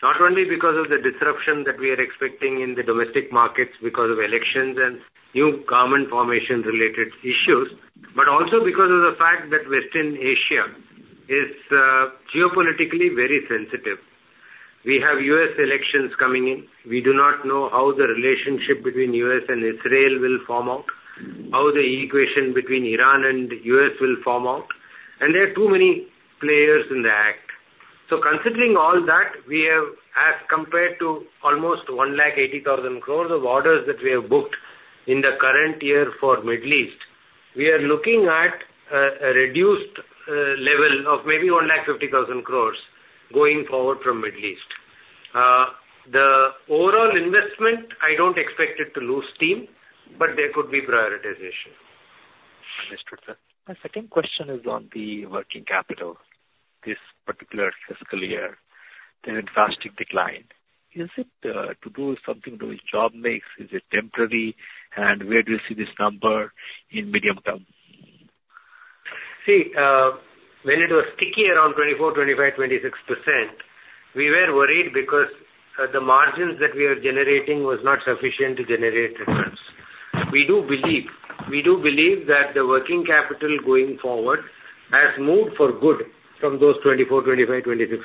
not only because of the disruption that we are expecting in the domestic markets because of elections and new government formation-related issues, but also because of the fact that Western Asia is geopolitically very sensitive. We have U.S. elections coming in. We do not know how the relationship between U.S. and Israel will form out, how the equation between Iran and U.S. will form out, and there are too many players in the act. So considering all that, we have, as compared to almost 180,000 crore of orders that we have booked in the current year for Middle East, we are looking at, a reduced, level of maybe 150,000 crore going forward from Middle East. The overall investment, I don't expect it to lose steam, but there could be prioritization. Understood, sir. My second question is on the working capital this particular fiscal year. they're in drastic decline. Is it to do something to which job mix? Is it temporary, and where do you see this number in medium term? See, when it was sticky around 24%, 25%, 26%, we were worried because the margins that we are generating was not sufficient to generate returns. We do believe, we do believe that the working capital going forward has moved for good from those 24%, 25%, 26%.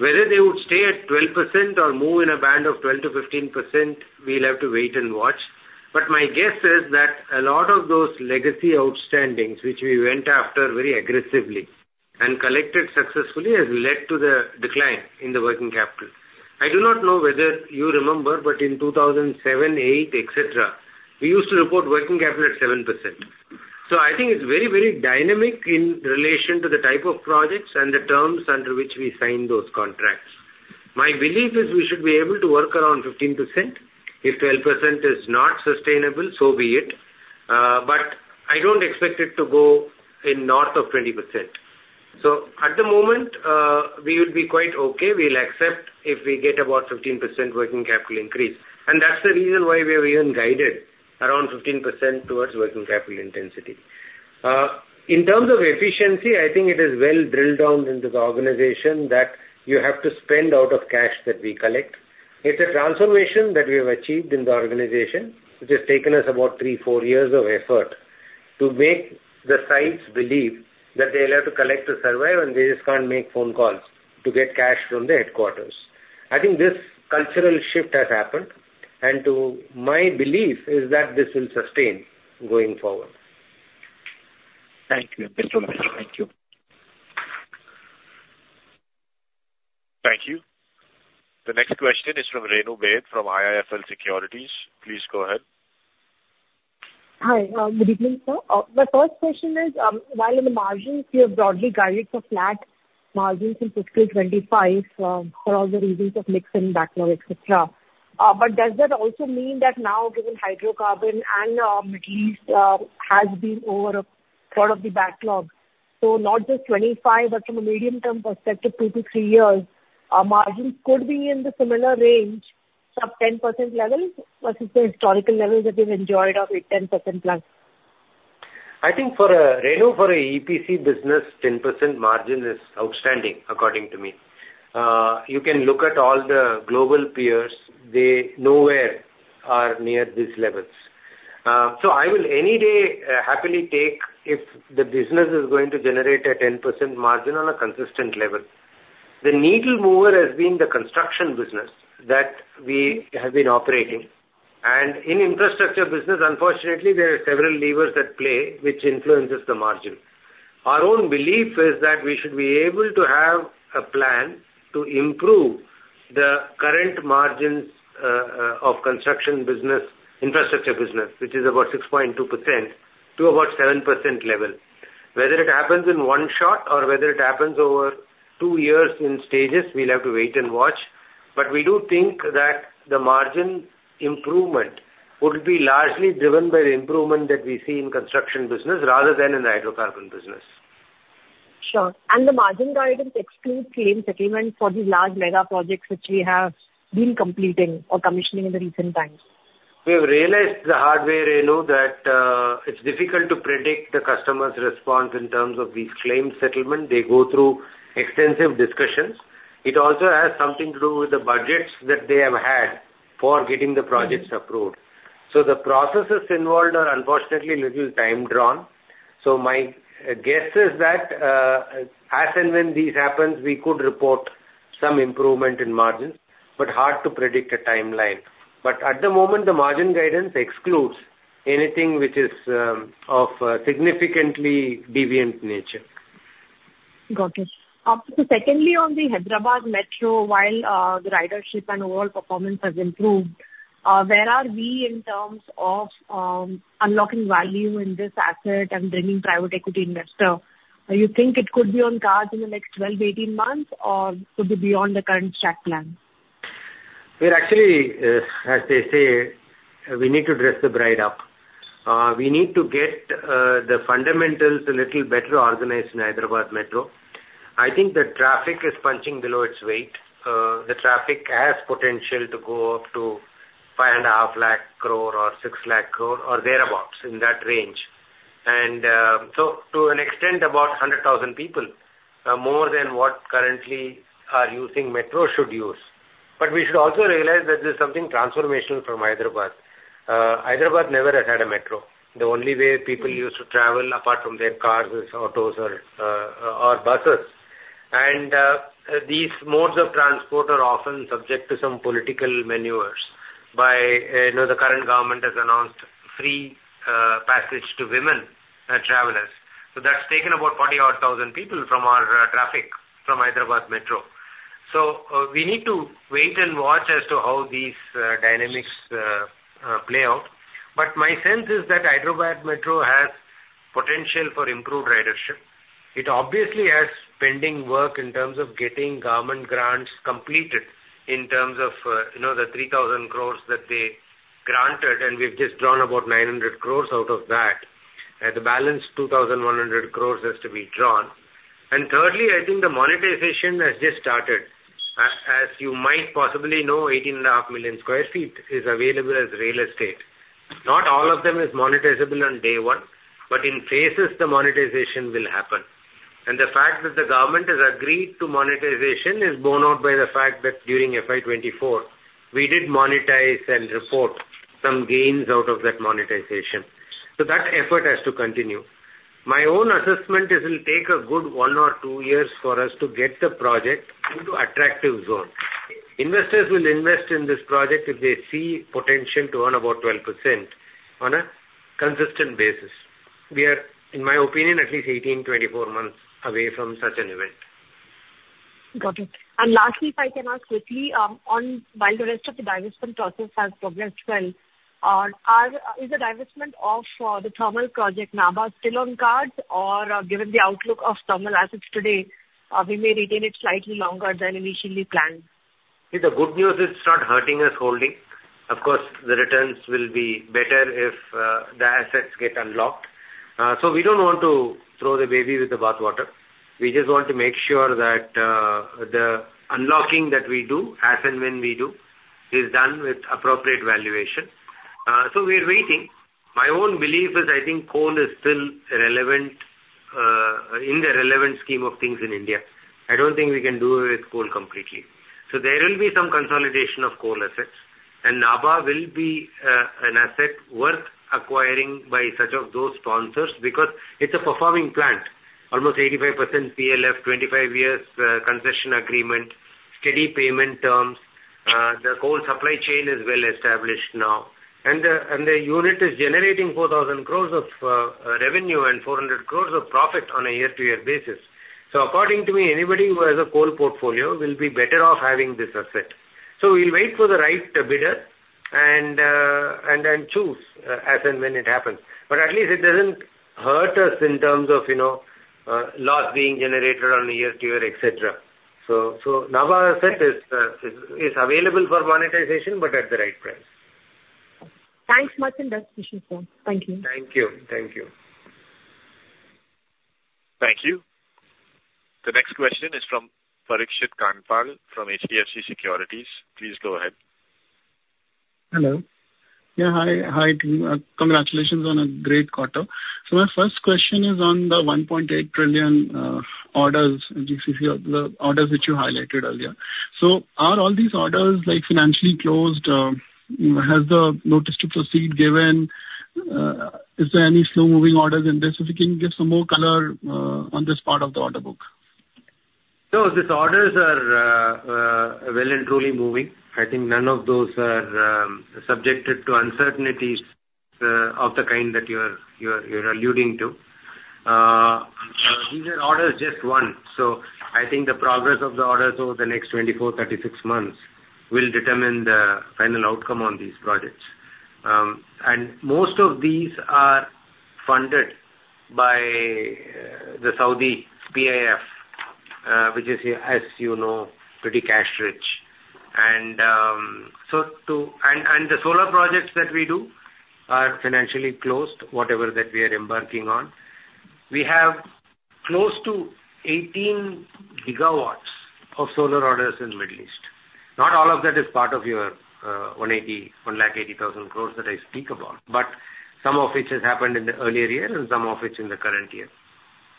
Whether they would stay at 12% or move in a band of 12%-15%, we'll have to wait and watch. But my guess is that a lot of those legacy outstandings, which we went after very aggressively and collected successfully, has led to the decline in the working capital. I do not know whether you remember, but in 2007, 2008, et cetera, we used to report working capital at 7%. So I think it's very, very dynamic in relation to the type of projects and the terms under which we signed those contracts. My belief is we should be able to work around 15%. If 12% is not sustainable, so be it, but I don't expect it to go north of 20%. So at the moment, we would be quite okay. We'll accept if we get about 15% working capital increase, and that's the reason why we have even guided around 15% towards working capital intensity. In terms of efficiency, I think it is well drilled down into the organization that you have to spend out of cash that we collect. It's a transformation that we have achieved in the organization, which has taken us about 3-4 years of effort to make the sites believe that they will have to collect to survive, and they just can't make phone calls to get cash from the headquarters. I think this cultural shift has happened, and my belief is that this will sustain going forward. Thank you. Thank you so much. Thank you. Thank you. The next question is from Renu Baid from IIFL Securities. Please go ahead. Hi, good evening, sir. My first question is, while in the margins you have broadly guided for flat margins in fiscal 2025, for all the reasons of mix and backlog, et cetera. But does that also mean that now, given hydrocarbon and Middle East has been over a third of the backlog, so not just 2025, but from a medium-term perspective, 2-3 years, our margins could be in the similar range of 10% level versus the historical level that we've enjoyed of 8%-10%+? I think for, Renu, for a EPC business, 10% margin is outstanding, according to me. You can look at all the global peers, they nowhere are near these levels. So I will any day, happily take if the business is going to generate a 10% margin on a consistent level. The needle mover has been the construction business that we have been operating. And in infrastructure business, unfortunately, there are several levers at play, which influences the margin. Our own belief is that we should be able to have a plan to improve the current margins, of construction business, infrastructure business, which is about 6.2%-7% level. Whether it happens in one shot or whether it happens over two years in stages, we'll have to wait and watch. We do think that the margin improvement would be largely driven by the improvement that we see in construction business rather than in the hydrocarbon business. Sure. And the margin guidance excludes claim settlement for these large mega projects which we have been completing or commissioning in the recent times? We've realized the hard way, Renu, that it's difficult to predict the customer's response in terms of these claims settlement. They go through extensive discussions. It also has something to do with the budgets that they have had for getting the projects approved. So the processes involved are unfortunately little time drawn. So my guess is that, as and when this happens, we could report some improvement in margins, but hard to predict a timeline. But at the moment, the margin guidance excludes anything which is of significantly deviant nature. Got it. So secondly, on the Hyderabad Metro, while the ridership and overall performance has improved, where are we in terms of unlocking value in this asset and bringing private equity investor? Do you think it could be on cards in the next 12-18 months, or could be beyond the current track plan? We're actually, as they say, we need to dress the bride up. We need to get the fundamentals a little better organized in Hyderabad Metro. I think the traffic is punching below its weight. The traffic has potential to go up to 550,000 or 600,000, or thereabouts, in that range. And so to an extent, about 100,000 people, more than what currently are using metro should use. But we should also realize that this is something transformational from Hyderabad. Hyderabad never had a metro. The only way people used to travel apart from their cars is autos or or buses. And these modes of transport are often subject to some political maneuvers by, you know, the current government has announced free passage to women travelers. So that's taken about 40,000 people from our traffic from Hyderabad Metro. So we need to wait and watch as to how these dynamics play out. But my sense is that Hyderabad Metro has potential for improved ridership. It obviously has pending work in terms of getting government grants completed, in terms of, you know, the 3,000 crore that they granted, and we've just drawn about 900 crore out of that. And the balance 2,100 crore has to be drawn. And thirdly, I think the monetization has just started. As you might possibly know, 18.5 million sq ft is available as real estate. Not all of them is monetizable on day one, but in phases the monetization will happen. The fact that the government has agreed to monetization is borne out by the fact that during FY 2024, we did monetize and report some gains out of that monetization. So that effort has to continue. My own assessment is it will take a good 1 or 2 years for us to get the project into attractive zone. Investors will invest in this project if they see potential to earn about 12% on a consistent basis. We are, in my opinion, at least 18-24 months away from such an event. Got it. And lastly, if I can ask quickly, on while the rest of the divestment process has progressed well, is the divestment of the thermal project, Nabha, still on cards, or given the outlook of thermal assets today, we may retain it slightly longer than initially planned? See, the good news is it's not hurting us holding. Of course, the returns will be better if the assets get unlocked. So we don't want to throw the baby with the bathwater. We just want to make sure that the unlocking that we do, as and when we do, is done with appropriate valuation. So we are waiting. My own belief is I think coal is still relevant in the relevant scheme of things in India. I don't think we can do away with coal completely. So there will be some consolidation of coal assets, and Nabha will be an asset worth acquiring by such of those sponsors, because it's a performing plant. Almost 85% PLF, 25 years, concession agreement, steady payment terms, the coal supply chain is well established now, and the, and the unit is generating 4,000 crore of revenue and 400 crore of profit on a year-to-year basis. So according to me, anybody who has a coal portfolio will be better off having this asset. So we'll wait for the right bidder and, and then choose, as and when it happens. But at least it doesn't hurt us in terms of, you know, loss being generated on a year to year, et cetera. So, so Nabha asset is, is, is available for monetization, but at the right price. Thanks much, Inderjeet Singh Bhatia. Thank you. Thank you. Thank you. Thank you. The next question is from Parikshit Kandpal, from HDFC Securities. Please go ahead. Hello. Yeah, hi. Hi, team. Congratulations on a great quarter. So my first question is on the 1.8 trillion, GCC orders, the orders which you highlighted earlier. So are all these orders, like, financially closed? Has the notice to proceed given? Is there any slow-moving orders in this? If you can give some more color on this part of the order book. So these orders are well and truly moving. I think none of those are subjected to uncertainties of the kind that you're alluding to. These are orders just won, so I think the progress of the orders over the next 24-36 months will determine the final outcome on these projects. And most of these are funded by the Saudi PIF, which is, as you know, pretty cash rich. And the solar projects that we do are financially closed, whatever that we are embarking on. We have close to 18 GW of solar orders in Middle East. Not all of that is part of your 1,80,000 crore that I speak about, but some of which has happened in the earlier year and some of it's in the current year.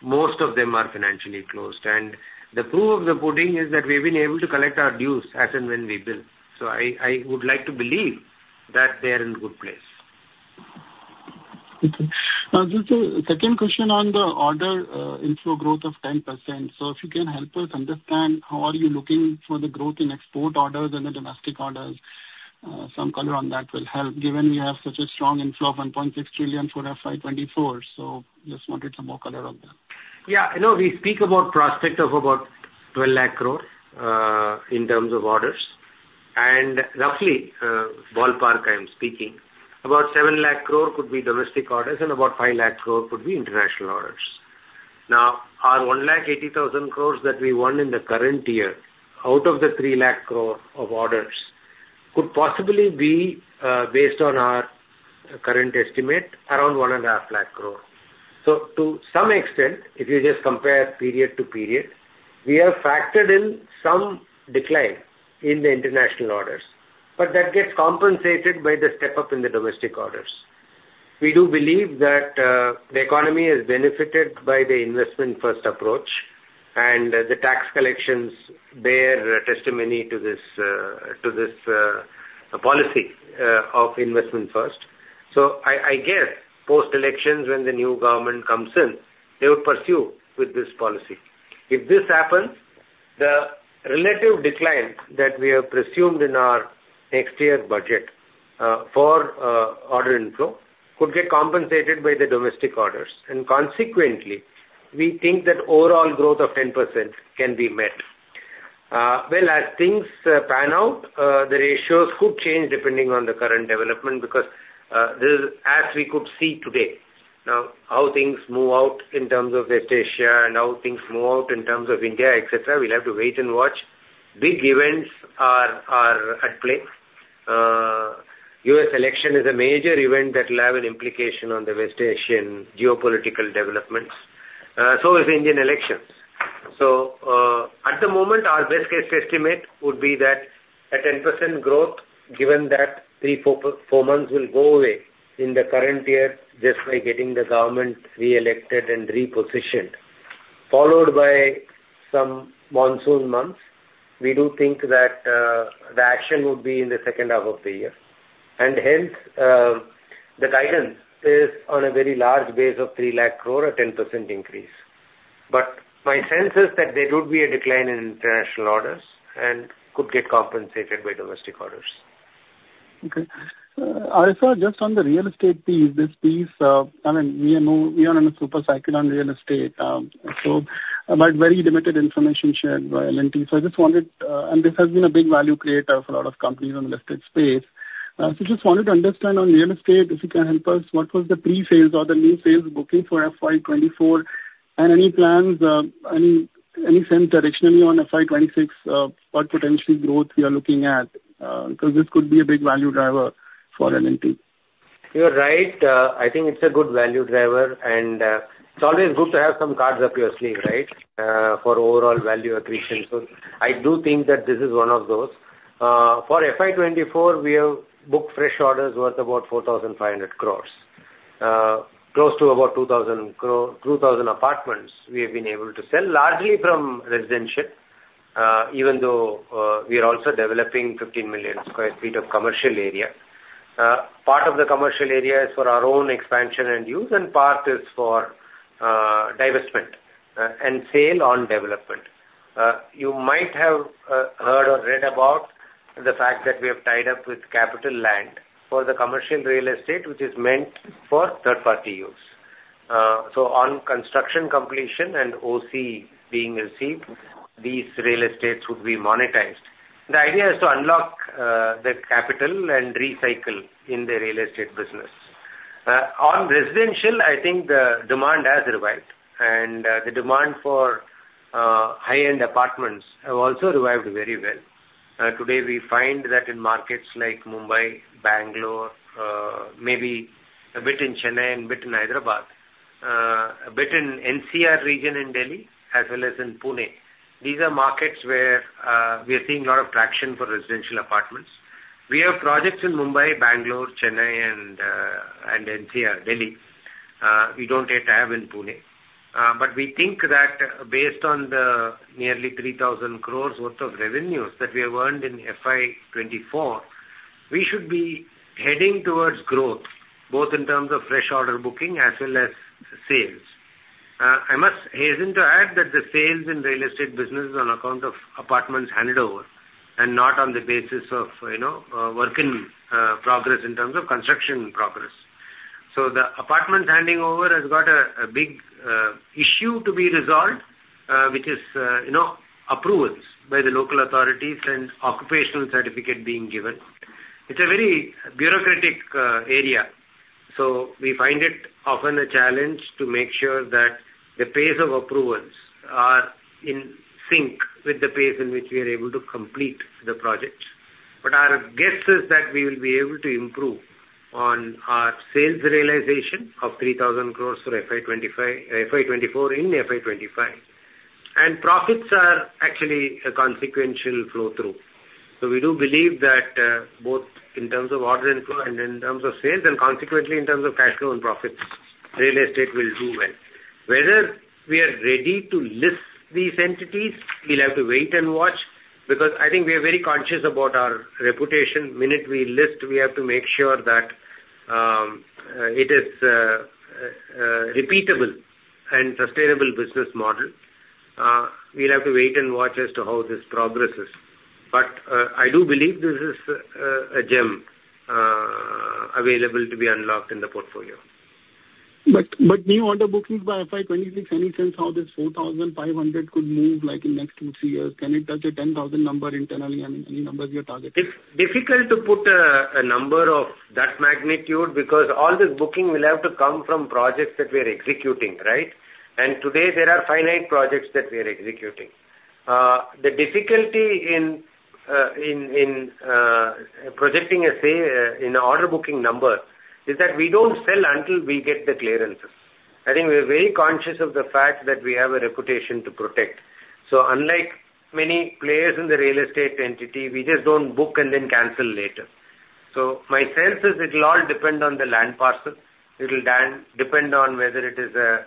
Most of them are financially closed, and the proof of the pudding is that we've been able to collect our dues as and when we bill. So I, I would like to believe that they are in good place. Okay. Just a second question on the order inflow growth of 10%. So if you can help us understand, how are you looking for the growth in export orders and the domestic orders? Some color on that will help, given we have such a strong inflow of 1.6 trillion for FY 2024. So just wanted some more color on that. Yeah, you know, we speak about prospects of about 12,00,000 crore in terms of orders, and roughly, ballpark, I'm speaking, about 700,000 crore could be domestic orders and about 500,000 crore could be international orders. Now, our 180,000 crore that we won in the current year, out of the 300,000 crore of orders, could possibly be, based on our current estimate, around 150,000 crore. So to some extent, if you just compare period to period, we have factored in some decline in the international orders, but that gets compensated by the step up in the domestic orders. We do believe that the economy has benefited by the investment-first approach, and the tax collections bear testimony to this policy of investment first. So, I guess, post-elections, when the new government comes in, they would pursue with this policy. If this happens, the relative decline that we have presumed in our next year's budget, for order inflow could get compensated by the domestic orders. And consequently, we think that overall growth of 10% can be met. Well, as things pan out, the ratios could change depending on the current development, because this is as we could see today. Now, how things move out in terms of West Asia and how things move out in terms of India, et cetera, we'll have to wait and watch. Big events are at play. U.S. election is a major event that will have an implication on the West Asian geopolitical developments. So is Indian elections. At the moment, our best case estimate would be that a 10% growth, given that 3 or 4 months will go away in the current year, just by getting the government reelected and repositioned, followed by some monsoon months. We do think that the action would be in the second half of the year, and hence, the guidance is on a very large base of 300,000 crore, a 10% increase. But my sense is that there would be a decline in international orders and could get compensated by domestic orders. Okay. R.S, just on the real estate piece, this piece, I mean, we are no, we are in a super cycle on real estate, so, but very limited information shared by L&T. So I just wanted, and this has been a big value creator for a lot of companies on the listed space. So just wanted to understand on real estate, if you can help us, what was the pre-sales or the new sales booking for FY 2024, and any plans, any, any sense directionally on FY 2026, what potential growth we are looking at? Because this could be a big value driver for L&T. You're right. I think it's a good value driver, and, it's always good to have some cards up your sleeve, right? for overall value accretion. So I do think that this is one of those. for FY 2024, we have booked fresh orders worth about 4,500 crore. close to about 2,000 crore, 2,000 apartments we have been able to sell, largely from residential, even though, we are also developing 15 million sq ft of commercial area. part of the commercial area is for our own expansion and use, and part is for, divestment, and sale on development. you might have, heard or read about the fact that we have tied up with CapitaLand for the commercial real estate, which is meant for third-party use. So on construction completion and OC being received, these real estates would be monetized. The idea is to unlock the capital and recycle in the real estate business. On residential, I think the demand has revived, and the demand for high-end apartments have also revived very well. Today, we find that in markets like Mumbai, Bangalore, maybe a bit in Chennai and bit in Hyderabad, a bit in NCR region in Delhi, as well as in Pune, these are markets where we are seeing a lot of traction for residential apartments. We have projects in Mumbai, Bangalore, Chennai and NCR, Delhi. We don't yet have in Pune. But we think that based on the nearly 3,000 crore worth of revenues that we have earned in FY 2024, we should be heading towards growth, both in terms of fresh order booking as well as sales. I must hasten to add that the sales in real estate business is on account of apartments handed over, and not on the basis of, you know, work in progress in terms of construction progress. So the apartments handing over has got a big issue to be resolved, which is, you know, approvals by the local authorities and occupational certificate being given. It's a very bureaucratic area, so we find it often a challenge to make sure that the pace of approvals are in sync with the pace in which we are able to complete the projects. But our guess is that we will be able to improve on our sales realization of 3,000 crore for FY 2025, FY 2024 and FY 2025. And profits are actually a consequential flow-through. So we do believe that, both in terms of order inflow and in terms of sales, and consequently in terms of cash flow and profits, real estate will do well. Whether we are ready to list these entities, we'll have to wait and watch, because I think we are very conscious about our reputation. The minute we list, we have to make sure that, it is, repeatable and sustainable business model. We'll have to wait and watch as to how this progresses, but, I do believe this is, a gem, available to be unlocked in the portfolio. But new order bookings by FY 2026, any sense how this 4,500 could move, like, in next 2, 3 years? Can it touch a 10,000 number internally? I mean, any numbers you're targeting? It's difficult to put a number of that magnitude, because all this booking will have to come from projects that we are executing, right? Today there are finite projects that we are executing. The difficulty in projecting, say, an order booking number is that we don't sell until we get the clearances. I think we are very conscious of the fact that we have a reputation to protect. So unlike many players in the real estate entity, we just don't book and then cancel later. So my sense is it'll all depend on the land parcel. It'll depend on whether it is a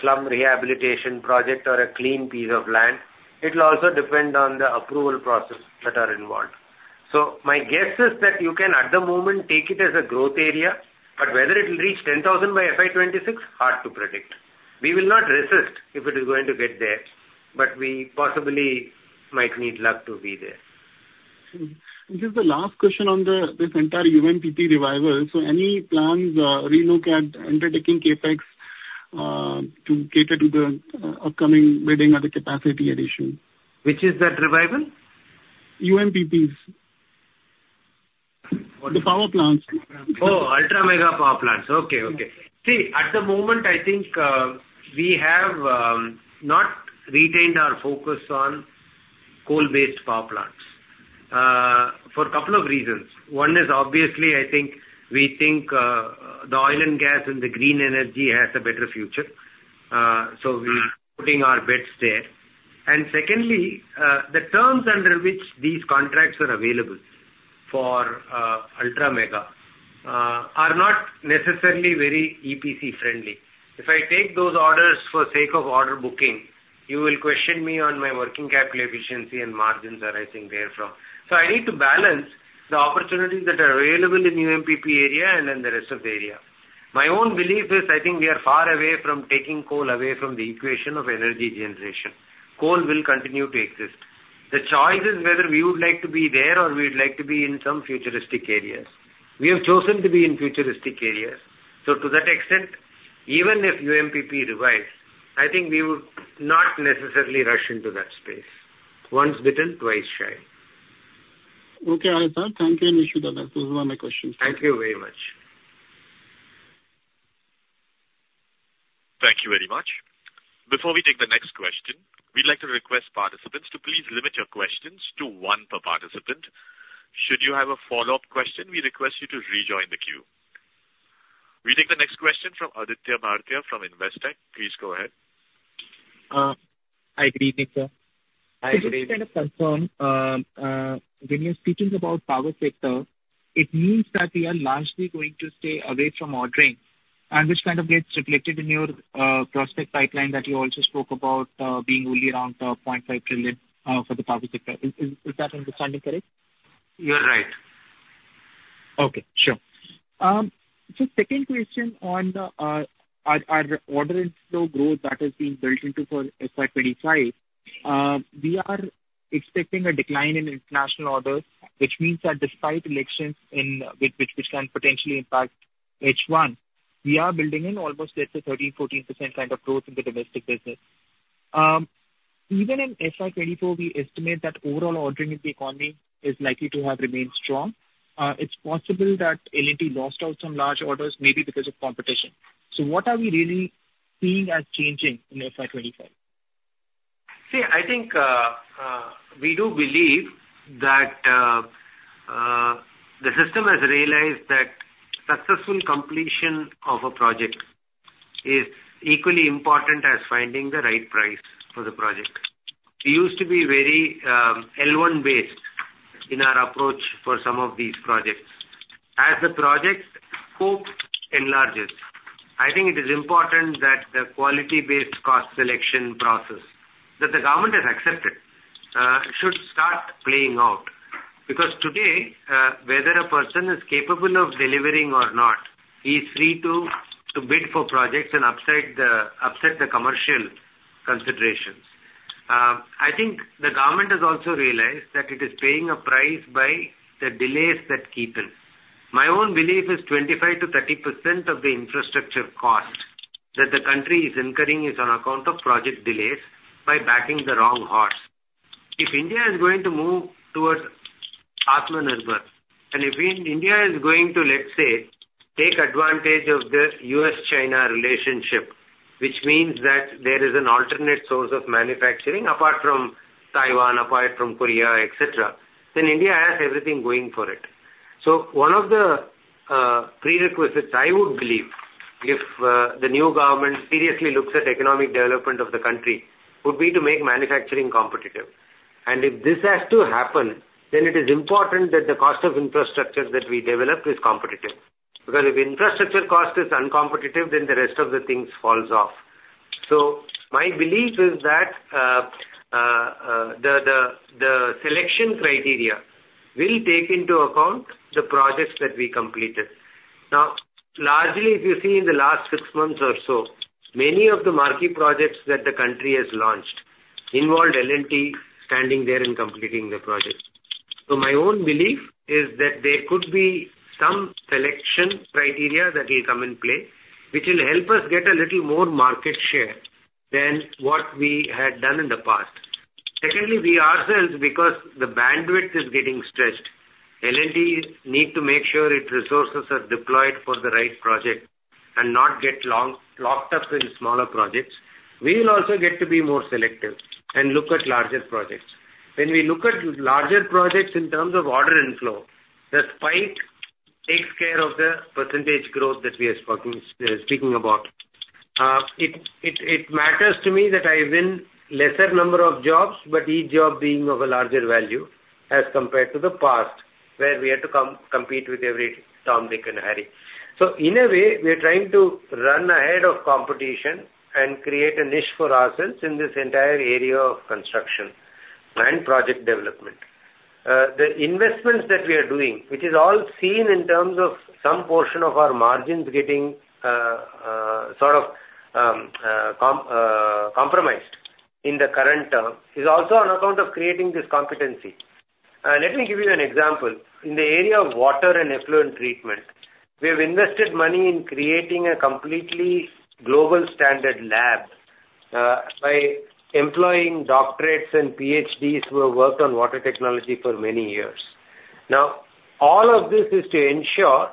slum rehabilitation project or a clean piece of land. It will also depend on the approval process that are involved. So my guess is that you can, at the moment, take it as a growth area, but whether it will reach 10,000 by FY 2026, hard to predict. We will not resist if it is going to get there, but we possibly might need luck to be there. This is the last question on this entire UMPP revival. So any plans, relook at undertaking CapEx, to cater to the upcoming bidding at the capacity addition? Which is that revival? UMPPs. The power plants. Oh, ultra mega power plants. Okay, okay. See, at the moment, I think, we have not retained our focus on coal-based power plants, for a couple of reasons. One is obviously, I think, we think, the oil and gas and the green energy has a better future. So we're putting our bets there. And secondly, the terms under which these contracts are available for, ultra mega, are not necessarily very EPC friendly. If I take those orders for sake of order booking, you will question me on my working capital efficiency and margins arising therefrom. So I need to balance the opportunities that are available in UMPP area and in the rest of the area. My own belief is I think we are far away from taking coal away from the equation of energy generation. Coal will continue to exist. The choice is whether we would like to be there or we would like to be in some futuristic areas. We have chosen to be in futuristic areas, so to that extent, even if UMPP revives, I think we would not necessarily rush into that space. Once bitten, twice shy. Okay, all right, sir. Thank you, that's all. Those were my questions. Thank you very much. Thank you very much. Before we take the next question, we'd like to request participants to please limit your questions to one per participant. Should you have a follow-up question, we request you to rejoin the queue. We take the next question from Aditya Makharia, from Investec. Please go ahead. Hi, good evening, sir. Hi, good evening. Can you kind of confirm, when you're speaking about power sector, it means that we are largely going to stay away from ordering, and which kind of gets reflected in your, prospect pipeline that you also spoke about, being only around 0.5 trillion, for the power sector. Is that understanding correct? You're right. Okay, sure. So second question on our order and slow growth that has been built into for FY 25, we are expecting a decline in international orders, which means that despite elections, which can potentially impact H1, we are building in almost, let's say, 13%-14% kind of growth in the domestic business. Even in FY 24, we estimate that overall ordering in the economy is likely to have remained strong. It's possible that L&T lost out some large orders, maybe because of competition. So what are we really seeing as changing in FY 25? See, I think, we do believe that the system has realized that successful completion of a project is equally important as finding the right price for the project. We used to be very L1 based in our approach for some of these projects. As the project scope enlarges, I think it is important that the quality- and cost-based selection process, that the government has accepted, should start playing out. Because today, whether a person is capable of delivering or not, he's free to bid for projects and upset the commercial considerations. I think the government has also realized that it is paying a price by the delays that creep in. My own belief is 25%-30% of the infrastructure cost that the country is incurring is on account of project delays by backing the wrong horse. If India is going to move towards Atmanirbhar, and if India is going to, let's say, take advantage of the U.S.-China relationship, which means that there is an alternate source of manufacturing, apart from Taiwan, apart from Korea, et cetera, then India has everything going for it. So one of the prerequisites I would believe if the new government seriously looks at economic development of the country, would be to make manufacturing competitive. And if this has to happen, then it is important that the cost of infrastructure that we develop is competitive. Because if infrastructure cost is uncompetitive, then the rest of the things falls off. So my belief is that the selection criteria will take into account the projects that we completed. Now, largely, if you see in the last six months or so, many of the marquee projects that the country has launched involved L&T standing there and completing the project. So my own belief is that there could be some selection criteria that will come in play, which will help us get a little more market share than what we had done in the past. Secondly, we ourselves, because the bandwidth is getting stretched, L&T need to make sure its resources are deployed for the right project and not get long, locked up in smaller projects. We will also get to be more selective and look at larger projects. When we look at larger projects in terms of order inflow, the spike takes care of the percentage growth that we are talking, speaking about. It matters to me that I win lesser number of jobs, but each job being of a larger value as compared to the past, where we had to compete with every Tom, Dick, and Harry. So in a way, we are trying to run ahead of competition and create a niche for ourselves in this entire area of construction and project development. The investments that we are doing, which is all seen in terms of some portion of our margins getting sort of compromised in the current term, is also on account of creating this competency. Let me give you an example. In the area of water and effluent treatment, we have invested money in creating a completely global standard lab by employing doctorates and PhDs who have worked on water technology for many years. Now, all of this is to ensure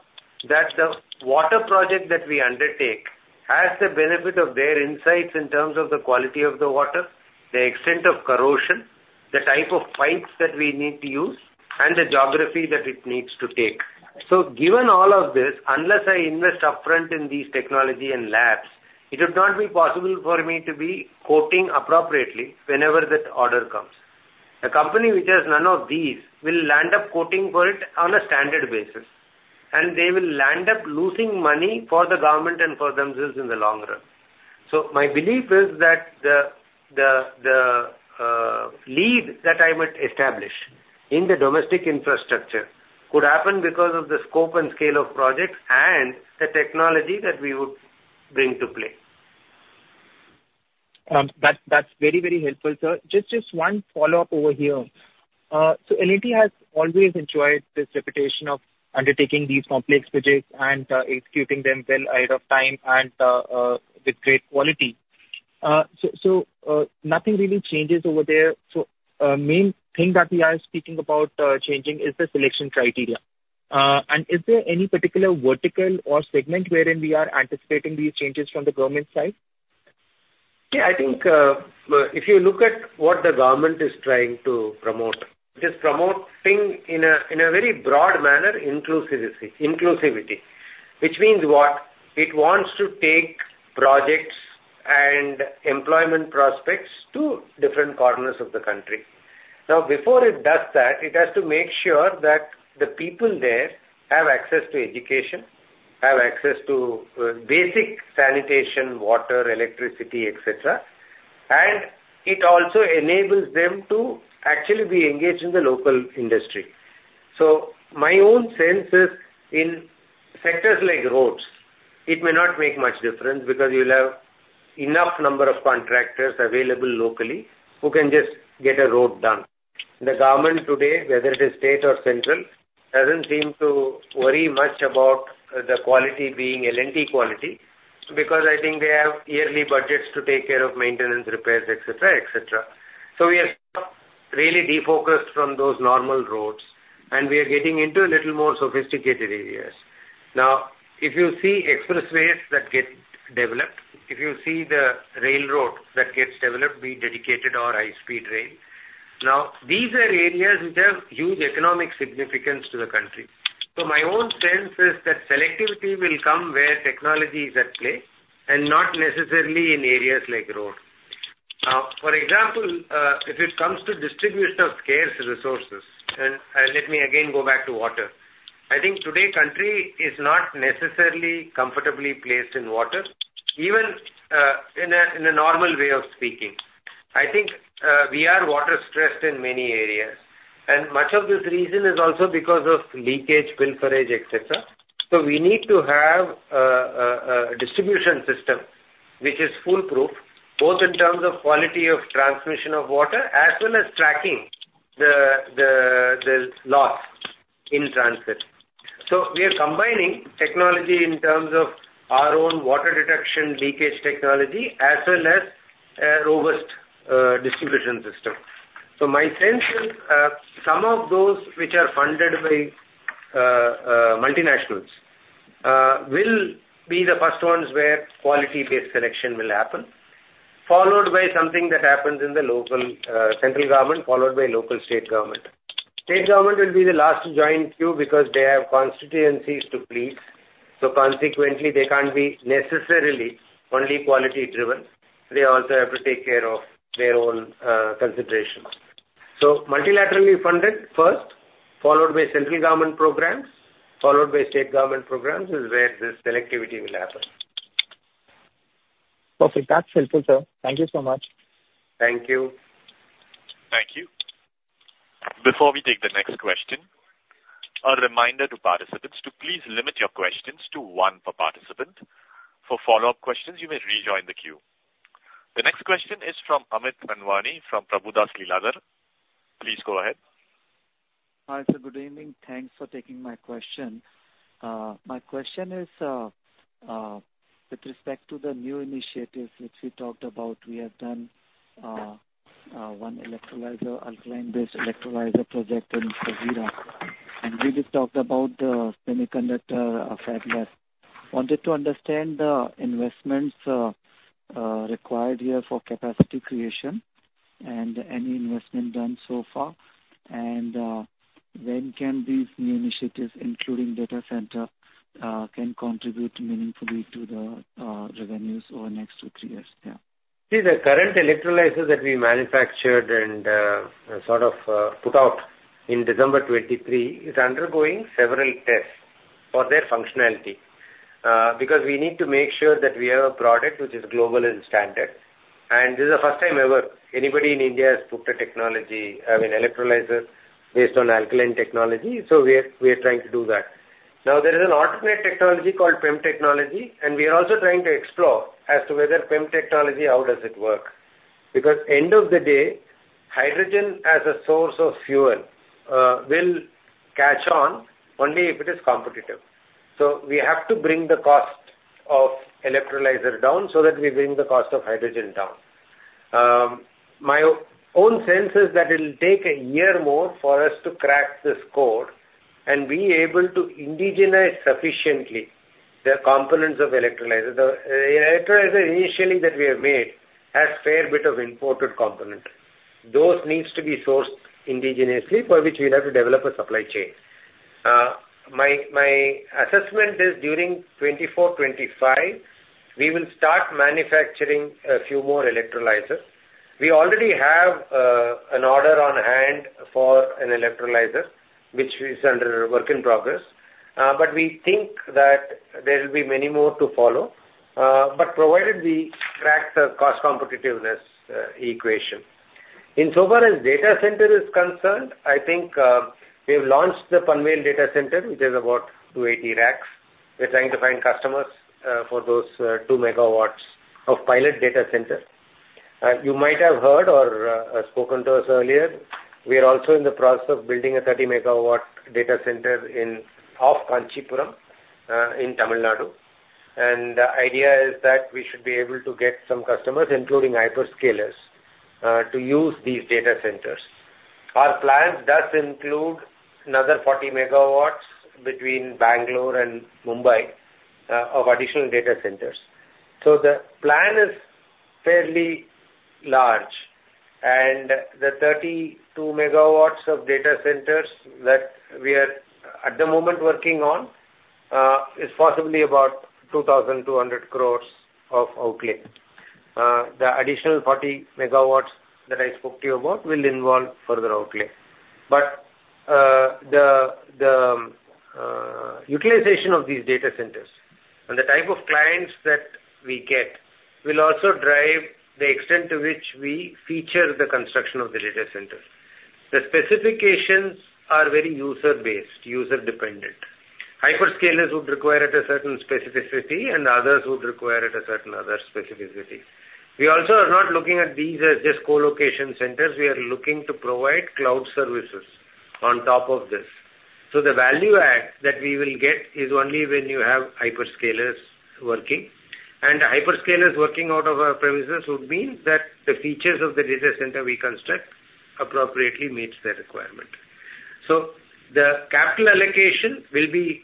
that the water project that we undertake has the benefit of their insights in terms of the quality of the water, the extent of corrosion, the type of pipes that we need to use, and the geography that it needs to take. So given all of this, unless I invest upfront in these technology and labs, it would not be possible for me to be quoting appropriately whenever that order comes. A company which has none of these, will land up quoting for it on a standard basis, and they will land up losing money for the government and for themselves in the long run. So my belief is that the lead that I might establish in the domestic infrastructure could happen because of the scope and scale of projects and the technology that we would bring to play. That's, that's very, very helpful, sir. Just, just one follow-up over here. So L&T has always enjoyed this reputation of undertaking these complex projects and executing them well ahead of time and with great quality. So, so nothing really changes over there. So main thing that we are speaking about changing is the selection criteria. And is there any particular vertical or segment wherein we are anticipating these changes from the government side? Yeah, I think, if you look at what the government is trying to promote, it is promoting in a very broad manner, inclusivity, inclusivity. Which means what? It wants to take projects and employment prospects to different corners of the country. Now, before it does that, it has to make sure that the people there have access to education, have access to basic sanitation, water, electricity, et cetera, and it also enables them to actually be engaged in the local industry. So my own sense is in sectors like roads, it may not make much difference because you'll have enough number of contractors available locally who can just get a road done. The government today, whether it is state or central, doesn't seem to worry much about the quality being L&T quality, because I think they have yearly budgets to take care of maintenance, repairs, et cetera, et cetera. So we are really defocused from those normal roads, and we are getting into a little more sophisticated areas. Now, if you see expressways that get developed, if you see the railroads that gets developed, be it dedicated or high speed rail. Now, these are areas which have huge economic significance to the country. So my own sense is that selectivity will come where technology is at play and not necessarily in areas like road. For example, if it comes to distribution of scarce resources, and let me again go back to water. I think today, country is not necessarily comfortably placed in water, even in a normal way of speaking. I think we are water-stressed in many areas, and much of this reason is also because of leakage, pilferage, et cetera. So we need to have a distribution system which is foolproof, both in terms of quality of transmission of water, as well as tracking the loss in transit. So we are combining technology in terms of our own water detection, leakage technology, as well as a robust distribution system. So my sense is, some of those which are funded by multinationals will be the first ones where quality-based selection will happen, followed by something that happens in the local central government, followed by local state government. State government will be the last to join queue because they have constituencies to please, so consequently, they can't be necessarily only quality-driven. They also have to take care of their own, considerations. So multilaterally funded first, followed by central government programs, followed by state government programs, is where this selectivity will happen. Perfect. That's helpful, sir. Thank you so much. Thank you. Thank you. Before we take the next question, a reminder to participants to please limit your questions to one per participant. For follow-up questions, you may rejoin the queue. The next question is from Amit Anwani from Prabhudas Lilladher. Please go ahead. Hi, sir. Good evening. Thanks for taking my question. My question is, with respect to the new initiatives which we talked about, we have done one electrolyzer, alkaline-based electrolyzer project in Hazira, and we just talked about the semiconductor fabless. Wanted to understand the investments required here for capacity creation and any investment done so far, and when can these new initiatives, including data center, can contribute meaningfully to the revenues over the next two, three years? Yeah. See, the current electrolyzers that we manufactured and, sort of, put out in December 2023, is undergoing several tests for their functionality, because we need to make sure that we have a product which is global in standard. And this is the first time ever anybody in India has put a technology, I mean, electrolyzer based on alkaline technology. So we are, we are trying to do that. Now, there is an alternate technology called PEM technology, and we are also trying to explore as to whether PEM technology, how does it work? Because end of the day, hydrogen as a source of fuel, will catch on only if it is competitive. So we have to bring the cost of electrolyzer down so that we bring the cost of hydrogen down. My own sense is that it'll take a year more for us to crack this code and be able to indigenize sufficiently the components of electrolyzer. The electrolyzer initially that we have made has fair bit of imported component. Those needs to be sourced indigenously, for which we'll have to develop a supply chain. My assessment is during 2024, 2025, we will start manufacturing a few more electrolyzers. We already have an order on hand for an electrolyzer, which is under work in progress, but we think that there will be many more to follow, but provided we track the cost competitiveness equation. In so far as data center is concerned, I think we have launched the Panvel Data Center, which is about 280 racks. We're trying to find customers for those 2 MW of pilot data center. You might have heard or spoken to us earlier, we are also in the process of building a 30-megawatt data center in, of Kanchipuram, in Tamil Nadu. And the idea is that we should be able to get some customers, including hyperscalers, to use these data centers. Our plan does include another 40 megawatts between Bangalore and Mumbai, of additional data centers. So the plan is fairly large, and the 32 megawatts of data centers that we are at the moment working on, is possibly about 2,200 crore of outlay. The additional 40 megawatts that I spoke to you about will involve further outlay. But, the utilization of these data centers and the type of clients that we get, will also drive the extent to which we feature the construction of the data center. The specifications are very user-based, user-dependent. Hyperscalers would require at a certain specificity, and others would require at a certain other specificity. We also are not looking at these as just colocation centers, we are looking to provide cloud services on top of this. So the value add that we will get is only when you have hyperscalers working. And hyperscalers working out of our premises would mean that the features of the data center we construct appropriately meets their requirement. So the capital allocation will be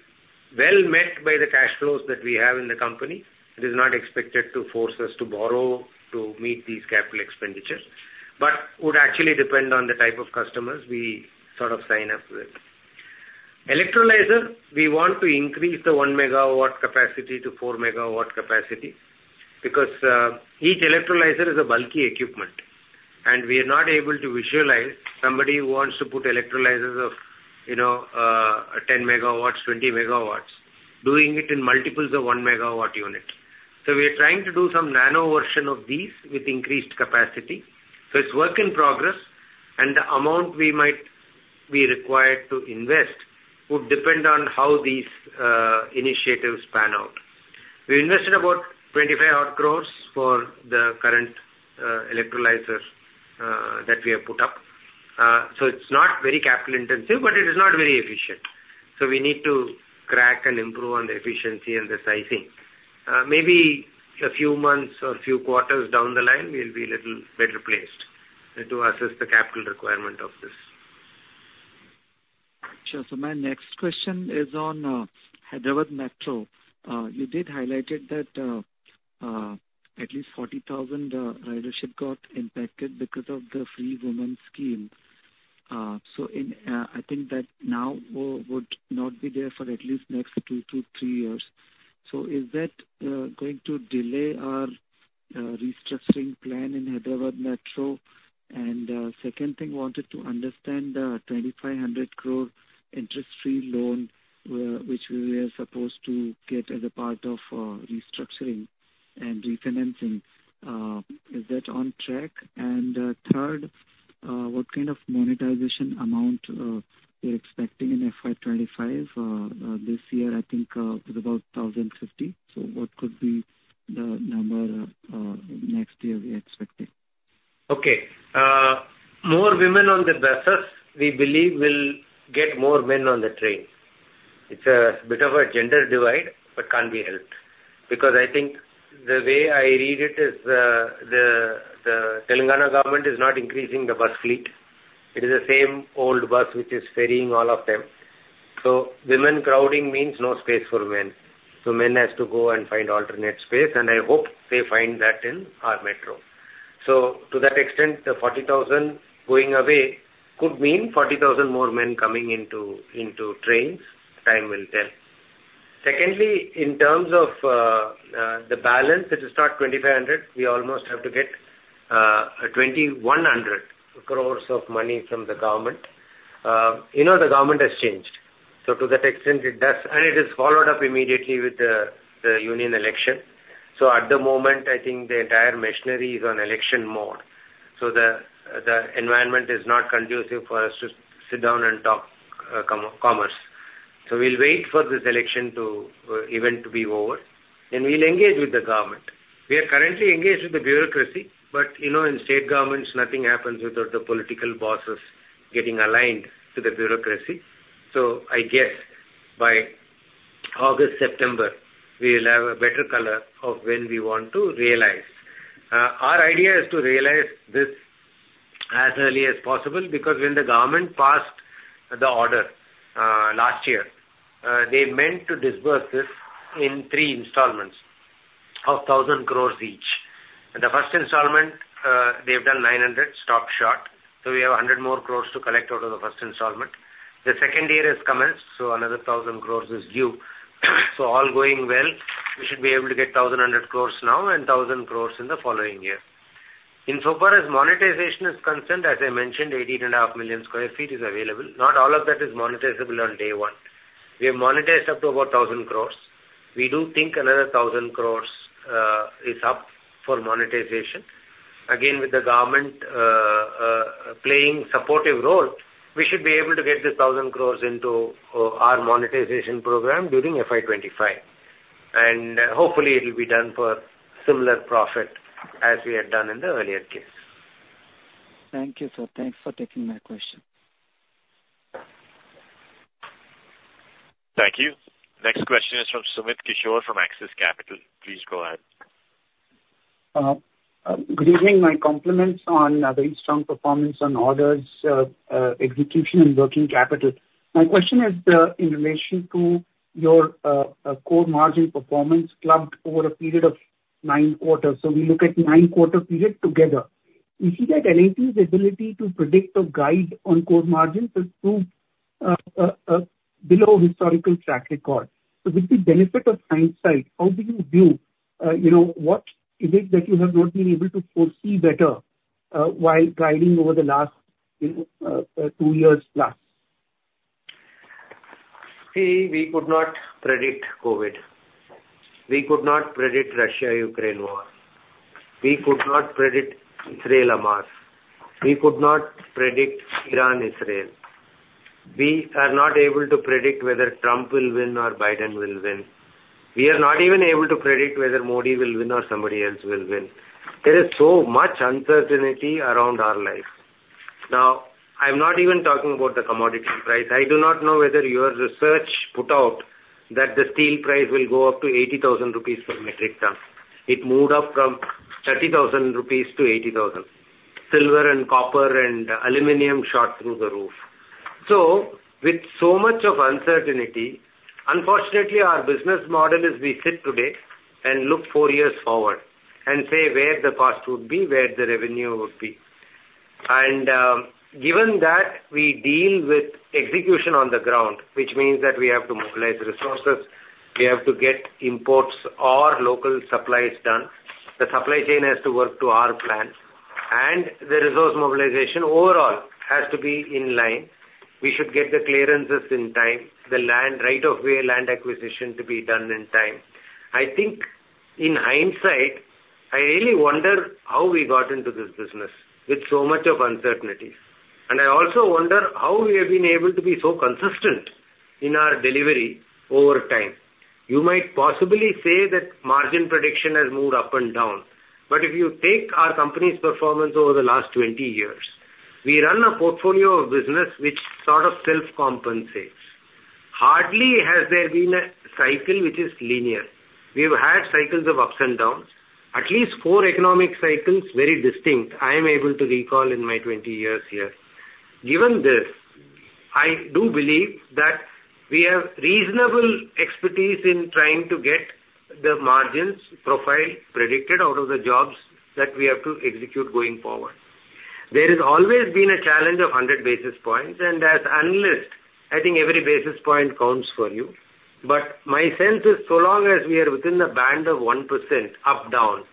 well met by the cash flows that we have in the company. It is not expected to force us to borrow to meet these capital expenditures, but would actually depend on the type of customers we sort of sign up with. Electrolyzer, we want to increase the 1 MW capacity to 4 MW capacity because, each electrolyzer is a bulky equipment, and we are not able to visualize somebody who wants to put electrolyzers of, you know, 10 MW, 20 MW, doing it in multiples of 1 MW unit. So we are trying to do some nano version of these with increased capacity. So it's work in progress, and the amount we might be required to invest would depend on how these, initiatives pan out. We invested about 25 odd crores for the current, electrolyzer, that we have put up. So it's not very capital intensive, but it is not very efficient. So we need to crack and improve on the efficiency and the sizing. Maybe a few months or a few quarters down the line, we'll be a little better placed to assess the capital requirement of this. Sure. So my next question is on Hyderabad Metro. You did highlighted that at least 40,000 ridership got impacted because of the free women scheme. So I think that now would not be there for at least next 2-3 years. So is that going to delay our restructuring plan in Hyderabad Metro? And second thing, wanted to understand the 2,500 crore interest-free loan, which we were supposed to get as a part of restructuring and refinancing. Is that on track? And third, what kind of monetization amount we're expecting in FY 2025? This year, I think, it's about 1,050. So what could be the number next year we are expecting? Okay. More women on the buses, we believe will get more men on the train. It's a bit of a gender divide, but can't be helped, because I think the way I read it is the, the, the Telangana government is not increasing the bus fleet. It is the same old bus which is ferrying all of them. So women crowding means no space for men. So men has to go and find alternate space, and I hope they find that in our metro. So to that extent, the 40,000 going away could mean 40,000 more men coming into, into trains. Time will tell. Secondly, in terms of the balance, it is not 2,500. We almost have to get 2,100 crore INR of money from the government. You know, the government has changed, so to that extent it does, and it is followed up immediately with the union election. So at the moment, I think the entire machinery is on election mode, so the environment is not conducive for us to sit down and talk commerce. So we'll wait for this election event to be over, then we'll engage with the government. We are currently engaged with the bureaucracy, but, you know, in state governments, nothing happens without the political bosses getting aligned to the bureaucracy. So I guess by August, September, we'll have a better color of when we want to realize. Our idea is to realize this as early as possible, because when the government passed the order last year, they meant to disburse this in three installments of 1,000 crore each. The first installment, they've done 900 crore, stopped short. So we have 100 crore more to collect out of the first installment. The second year has commenced, so another 1,000 crore is due. So all going well, we should be able to get 1,100 crore now and 1,000 crore in the following year. Insofar as monetization is concerned, as I mentioned, 18.5 million sq ft is available. Not all of that is monetizable on day one. We have monetized up to about 1,000 crore. We do think another 1,000 crore is up for monetization. Again, with the government playing supportive role, we should be able to get the 1,000 crore into our monetization program during FY 2025. And hopefully, it will be done for similar profit as we had done in the earlier case. Thank you, sir. Thanks for taking my question. Thank you. Next question is from Sumit Kishore from Axis Capital. Please go ahead. Good evening. My compliments on the very strong performance on orders, execution and working capital. My question is, in relation to your core margin performance clubbed over a period of nine quarters. So we look at nine-quarter period together. We see that L&T's ability to predict or guide on core margins has proved below historical track record. So with the benefit of hindsight, how do you view, you know, what is it that you have not been able to foresee better, while guiding over the last, you know, two years plus? See, we could not predict COVID. We could not predict Russia-Ukraine war. We could not predict Israel-Hamas. We could not predict Iran-Israel. We are not able to predict whether Trump will win or Biden will win. We are not even able to predict whether Modi will win or somebody else will win. There is so much uncertainty around our life. Now, I'm not even talking about the commodity price. I do not know whether your research put out that the steel price will go up to 80,000 rupees per metric ton. It moved up from 30,000 rupees to 80,000. Silver and copper and aluminum shot through the roof. So with so much of uncertainty, unfortunately, our business model is we sit today and look four years forward and say where the cost would be, where the revenue would be. Given that we deal with execution on the ground, which means that we have to mobilize resources, we have to get imports or local supplies done, the supply chain has to work to our plan, and the resource mobilization overall has to be in line. We should get the clearances in time, the land, right of way, land acquisition to be done in time. I think in hindsight, I really wonder how we got into this business with so much of uncertainties. And I also wonder how we have been able to be so consistent in our delivery over time. You might possibly say that margin prediction has moved up and down, but if you take our company's performance over the last 20 years, we run a portfolio of business which sort of self-compensates. Hardly has there been a cycle which is linear. We've had cycles of ups and downs, at least 4 economic cycles, very distinct, I am able to recall in my 20 years here. Given this, I do believe that we have reasonable expertise in trying to get the margins profile predicted out of the jobs that we have to execute going forward. There has always been a challenge of 100 basis points, and as analysts, I think every basis point counts for you. But my sense is, so long as we are within the band of 1% up, down,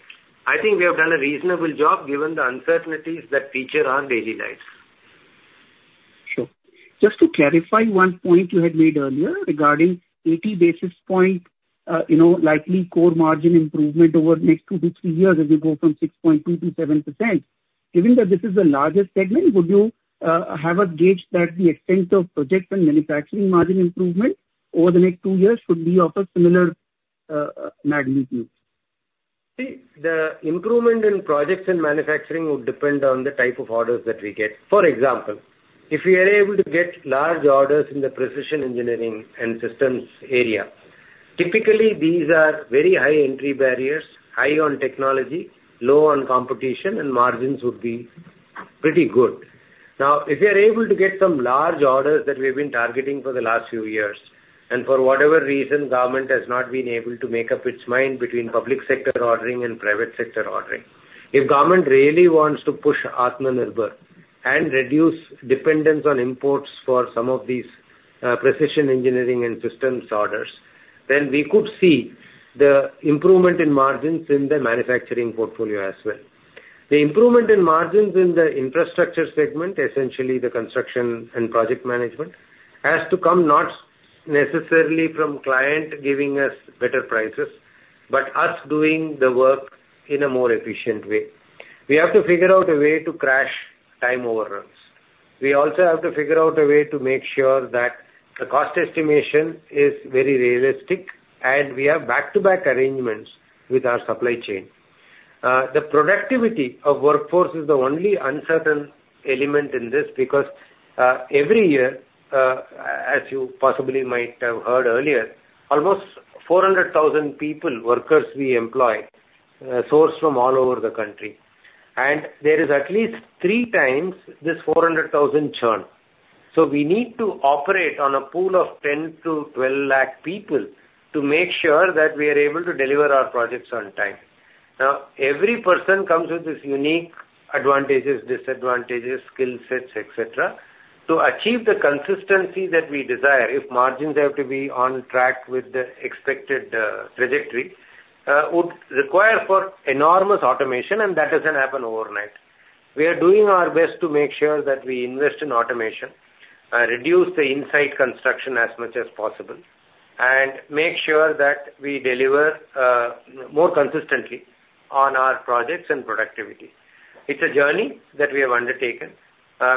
I think we have done a reasonable job given the uncertainties that feature our daily lives. Sure. Just to clarify one point you had made earlier regarding 80 basis points, you know, likely core margin improvement over the next 2-3 years as we go from 6.2% to 7%. Given that this is the largest segment, would you have a gauge that the extent of projects and manufacturing margin improvement over the next 2 years should be of a similar magnitude? See, the improvement in projects and manufacturing would depend on the type of orders that we get. For example, if we are able to get large orders in the precision engineering and systems area, typically these are very high entry barriers, high on technology, low on competition, and margins would be pretty good. Now, if we are able to get some large orders that we've been targeting for the last few years, and for whatever reason, government has not been able to make up its mind between public sector ordering and private sector ordering. If government really wants to push Atmanirbhar and reduce dependence on imports for some of these, precision engineering and systems orders, then we could see the improvement in margins in the manufacturing portfolio as well. The improvement in margins in the infrastructure segment, essentially the construction and project management, has to come not necessarily from client giving us better prices, but us doing the work in a more efficient way. We have to figure out a way to crash time overruns. We also have to figure out a way to make sure that the cost estimation is very realistic, and we have back-to-back arrangements with our supply chain. The productivity of workforce is the only uncertain element in this, because every year, as you possibly might have heard earlier, almost 400,000 people, workers we employ, sourced from all over the country. And there is at least three times this 400,000 churn. So we need to operate on a pool of 10-12 lakh people to make sure that we are able to deliver our projects on time. Now, every person comes with his unique advantages, disadvantages, skill sets, et cetera. To achieve the consistency that we desire, if margins have to be on track with the expected trajectory, would require enormous automation, and that doesn't happen overnight. We are doing our best to make sure that we invest in automation, reduce the inside construction as much as possible, and make sure that we deliver more consistently on our projects and productivity. It's a journey that we have undertaken.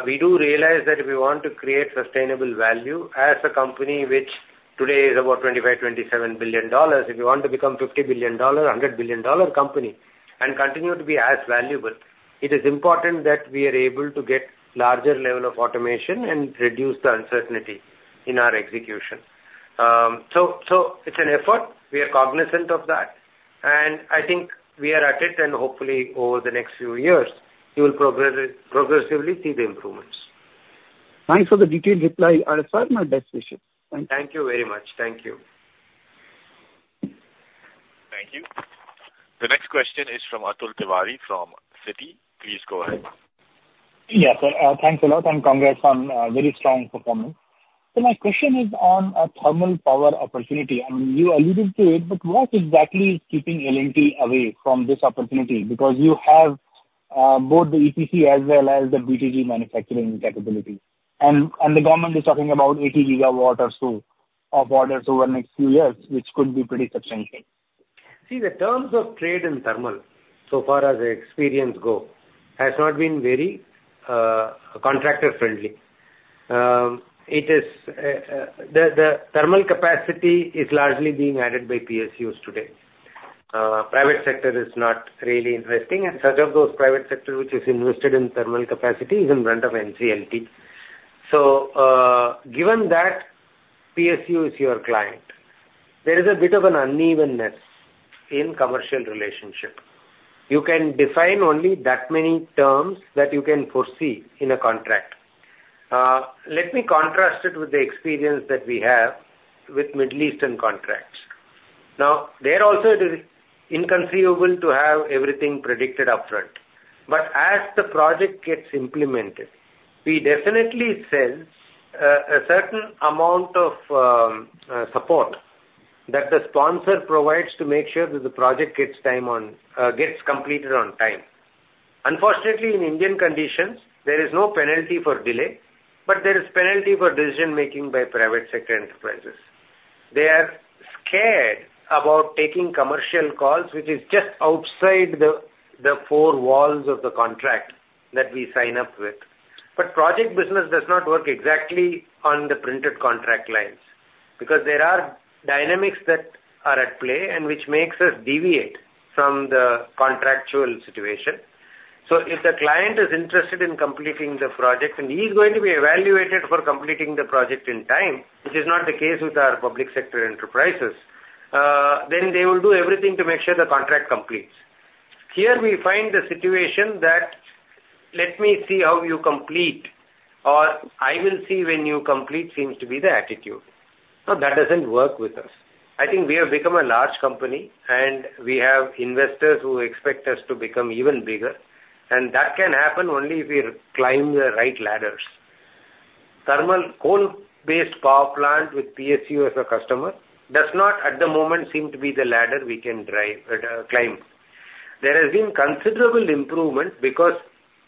We do realize that if we want to create sustainable value as a company, which today is about $25-$27 billion, if we want to become $50 billion dollar, $100 billion dollar company and continue to be as valuable, it is important that we are able to get larger level of automation and reduce the uncertainty in our execution. So, it's an effort. We are cognizant of that, and I think we are at it, and hopefully over the next few years, you will progressively see the improvements. Thanks for the detailed reply, R.S., my best wishes. Thank you. Thank you very much. Thank you. Thank you. The next question is from Atul Tiwari from Citi. Please go ahead. Yeah, sir. Thanks a lot, and congrats on very strong performance. So my question is on thermal power opportunity. I mean, you alluded to it, but what exactly is keeping L&T away from this opportunity? Because you have both the EPC as well as the BTG manufacturing capability. And the government is talking about 80 gigawatts or so of orders over the next few years, which could be pretty substantial. See, the terms of trade in thermal, so far as the experience go, has not been very, contractor-friendly. It is, the thermal capacity is largely being added by PSUs today. Private sector is not really investing, and such of those private sector which is invested in thermal capacity is in front of NCLT. So, given that PSU is your client, there is a bit of an unevenness in commercial relationship. You can define only that many terms that you can foresee in a contract. Let me contrast it with the experience that we have with Middle Eastern contracts. Now, there also it is inconceivable to have everything predicted upfront. As the project gets implemented, we definitely sense a certain amount of support that the sponsor provides to make sure that the project gets completed on time. Unfortunately, in Indian conditions, there is no penalty for delay, but there is penalty for decision-making by private sector enterprises. They are scared about taking commercial calls, which is just outside the four walls of the contract that we sign up with. Project business does not work exactly on the printed contract lines, because there are dynamics that are at play and which makes us deviate from the contractual situation. So if the client is interested in completing the project, and he is going to be evaluated for completing the project on time, which is not the case with our public sector enterprises, then they will do everything to make sure the contract completes. Here we find the situation that, "Let me see how you complete," or, "I will see when you complete," seems to be the attitude. Now, that doesn't work with us. I think we have become a large company, and we have investors who expect us to become even bigger, and that can happen only if we climb the right ladders. Thermal coal-based power plant with PSU as a customer, does not, at the moment, seem to be the ladder we can drive, climb. There has been considerable improvement because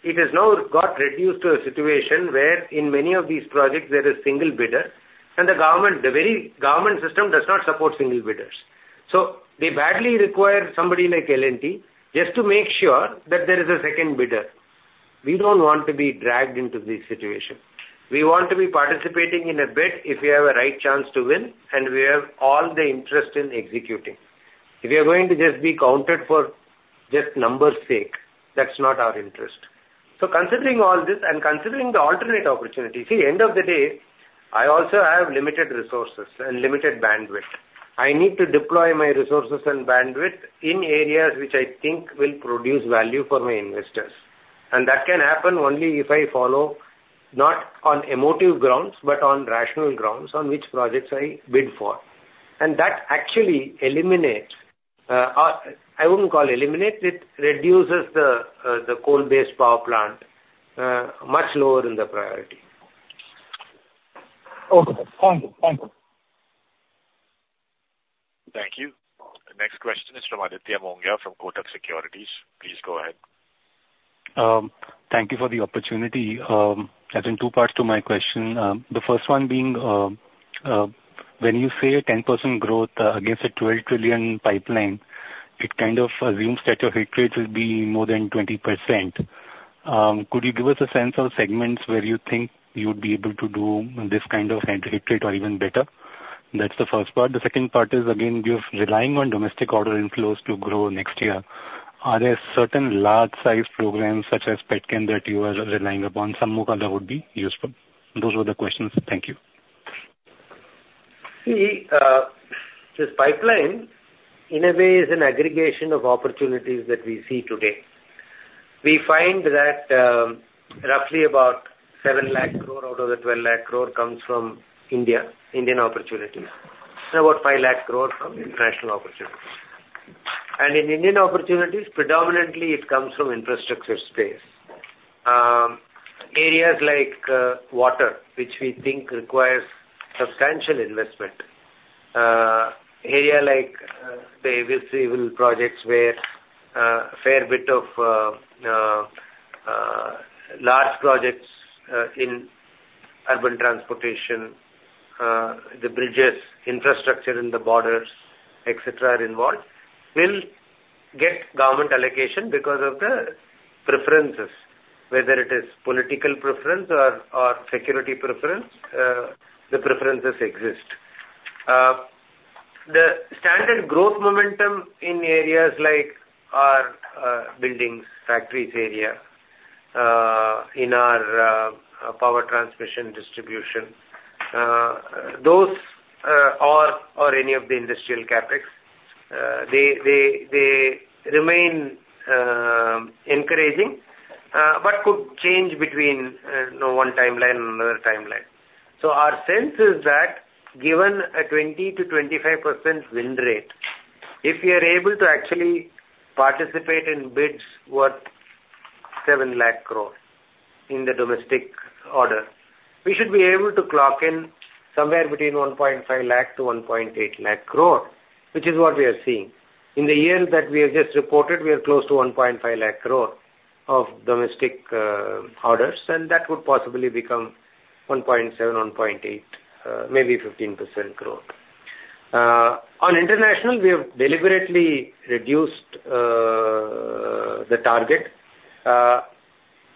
it has now got reduced to a situation wherein many of these projects there is single bidder, and the government, the very government system does not support single bidders. So they badly require somebody like L&T just to make sure that there is a second bidder. We don't want to be dragged into this situation. We want to be participating in a bid if we have a right chance to win, and we have all the interest in executing. If we are going to just be counted for just number's sake, that's not our interest. So considering all this and considering the alternate opportunity, see, end of the day, I also have limited resources and limited bandwidth. I need to deploy my resources and bandwidth in areas which I think will produce value for my investors, and that can happen only if I follow, not on emotive grounds, but on rational grounds, on which projects I bid for. And that actually eliminates. I wouldn't call eliminate; it reduces the coal-based power plant much lower in the priority. Okay. Thank you. Thank you. Thank you. The next question is from Aditya Monga, from Kotak Securities. Please go ahead. Thank you for the opportunity. I think two parts to my question. The first one being, When you say a 10% growth against a 12 trillion pipeline, it kind of assumes that your hit rate will be more than 20%. Could you give us a sense of segments where you think you'd be able to do this kind of hit rate or even better? That's the first part. The second part is, again, you're relying on domestic order inflows to grow next year. Are there certain large size programs such as Petchem that you are relying upon? Some more that would be useful. Those were the questions. Thank you. See, this pipeline, in a way, is an aggregation of opportunities that we see today. We find that, roughly about 700,000 crore out of the 1,200,000 crore comes from India, Indian opportunities, and about 500,000 crore from international opportunities. In Indian opportunities, predominantly it comes from infrastructure space. Areas like, water, which we think requires substantial investment. Area like, the civil projects where, a fair bit of, large projects, in urban transportation, the bridges, infrastructure in the borders, et cetera, are involved, will get government allocation because of the preferences, whether it is political preference or, or security preference, the preferences exist. The standard growth momentum in areas like our buildings, factories area, in our power transmission distribution, those or any of the industrial CapEx, they remain encouraging, but could change between one timeline and another timeline. So our sense is that given a 20%-25% win rate, if we are able to actually participate in bids worth 700,000 crore in the domestic order, we should be able to clock in somewhere between 150,000 crore-180,000 crore, which is what we are seeing. In the year that we have just reported, we are close to 150,000 crore of domestic orders, and that would possibly become 170,000 crore-180,000 crore, maybe 15% growth. On international, we have deliberately reduced the target.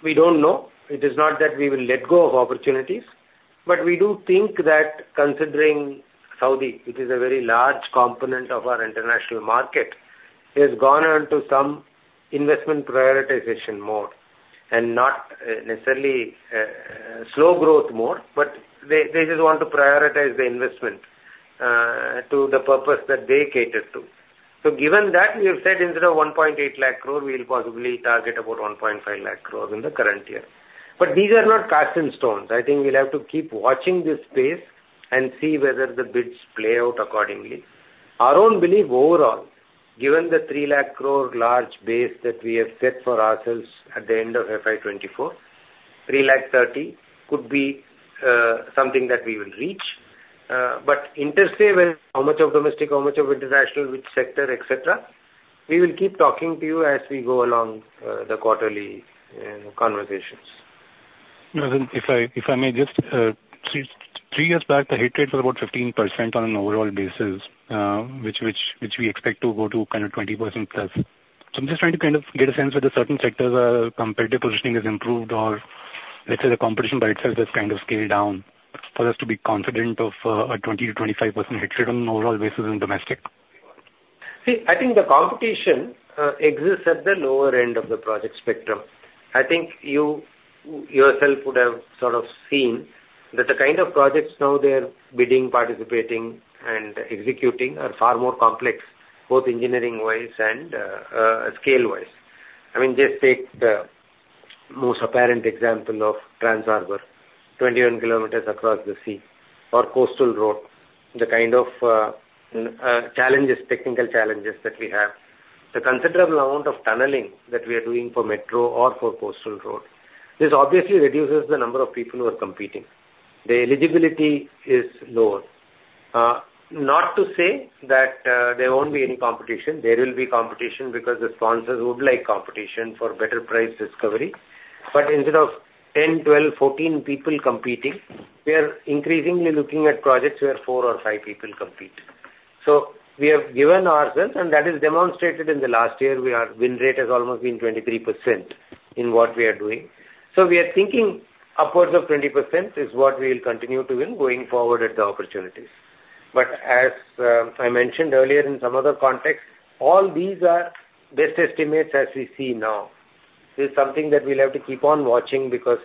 We don't know. It is not that we will let go of opportunities, but we do think that considering Saudi, which is a very large component of our international market, has gone on to some investment prioritization mode and not necessarily slow growth mode, but they just want to prioritize the investment to the purpose that they cater to. So given that, we have said instead of 180,000 crore, we will possibly target about 150,000 crore in the current year. But these are not cast in stone. I think we'll have to keep watching this space and see whether the bids play out accordingly. Our own belief overall, given the 300,000 crore large base that we have set for ourselves at the end of FY 2024, 330,000 crore could be something that we will reach. But interestingly, well, how much of domestic, how much of international, which sector, et cetera, we will keep talking to you as we go along, the quarterly conversations. If I may just, three years back, the hit rate was about 15% on an overall basis, which we expect to go to kind of 20%+. So I'm just trying to kind of get a sense whether certain sectors are competitive positioning has improved, or let's say the competition by itself has kind of scaled down for us to be confident of a 20%-25% hit rate on an overall basis in domestic. See, I think the competition exists at the lower end of the project spectrum. I think you, yourself would have sort of seen that the kind of projects now they are bidding, participating and executing are far more complex, both engineering wise and scale wise. I mean, just take the most apparent example of Trans Harbour, 21 kilometers across the sea or coastal road, the kind of challenges, technical challenges that we have. The considerable amount of tunneling that we are doing for Metro or for coastal road, this obviously reduces the number of people who are competing. The eligibility is lower. Not to say that there won't be any competition. There will be competition because the sponsors would like competition for better price discovery. Instead of 10, 12, 14 people competing, we are increasingly looking at projects where 4 or 5 people compete. We have given ourselves, and that is demonstrated in the last year, our win rate has almost been 23% in what we are doing. We are thinking upwards of 20% is what we will continue to win going forward at the opportunities. But as I mentioned earlier in some other context, all these are best estimates as we see now. This is something that we'll have to keep on watching because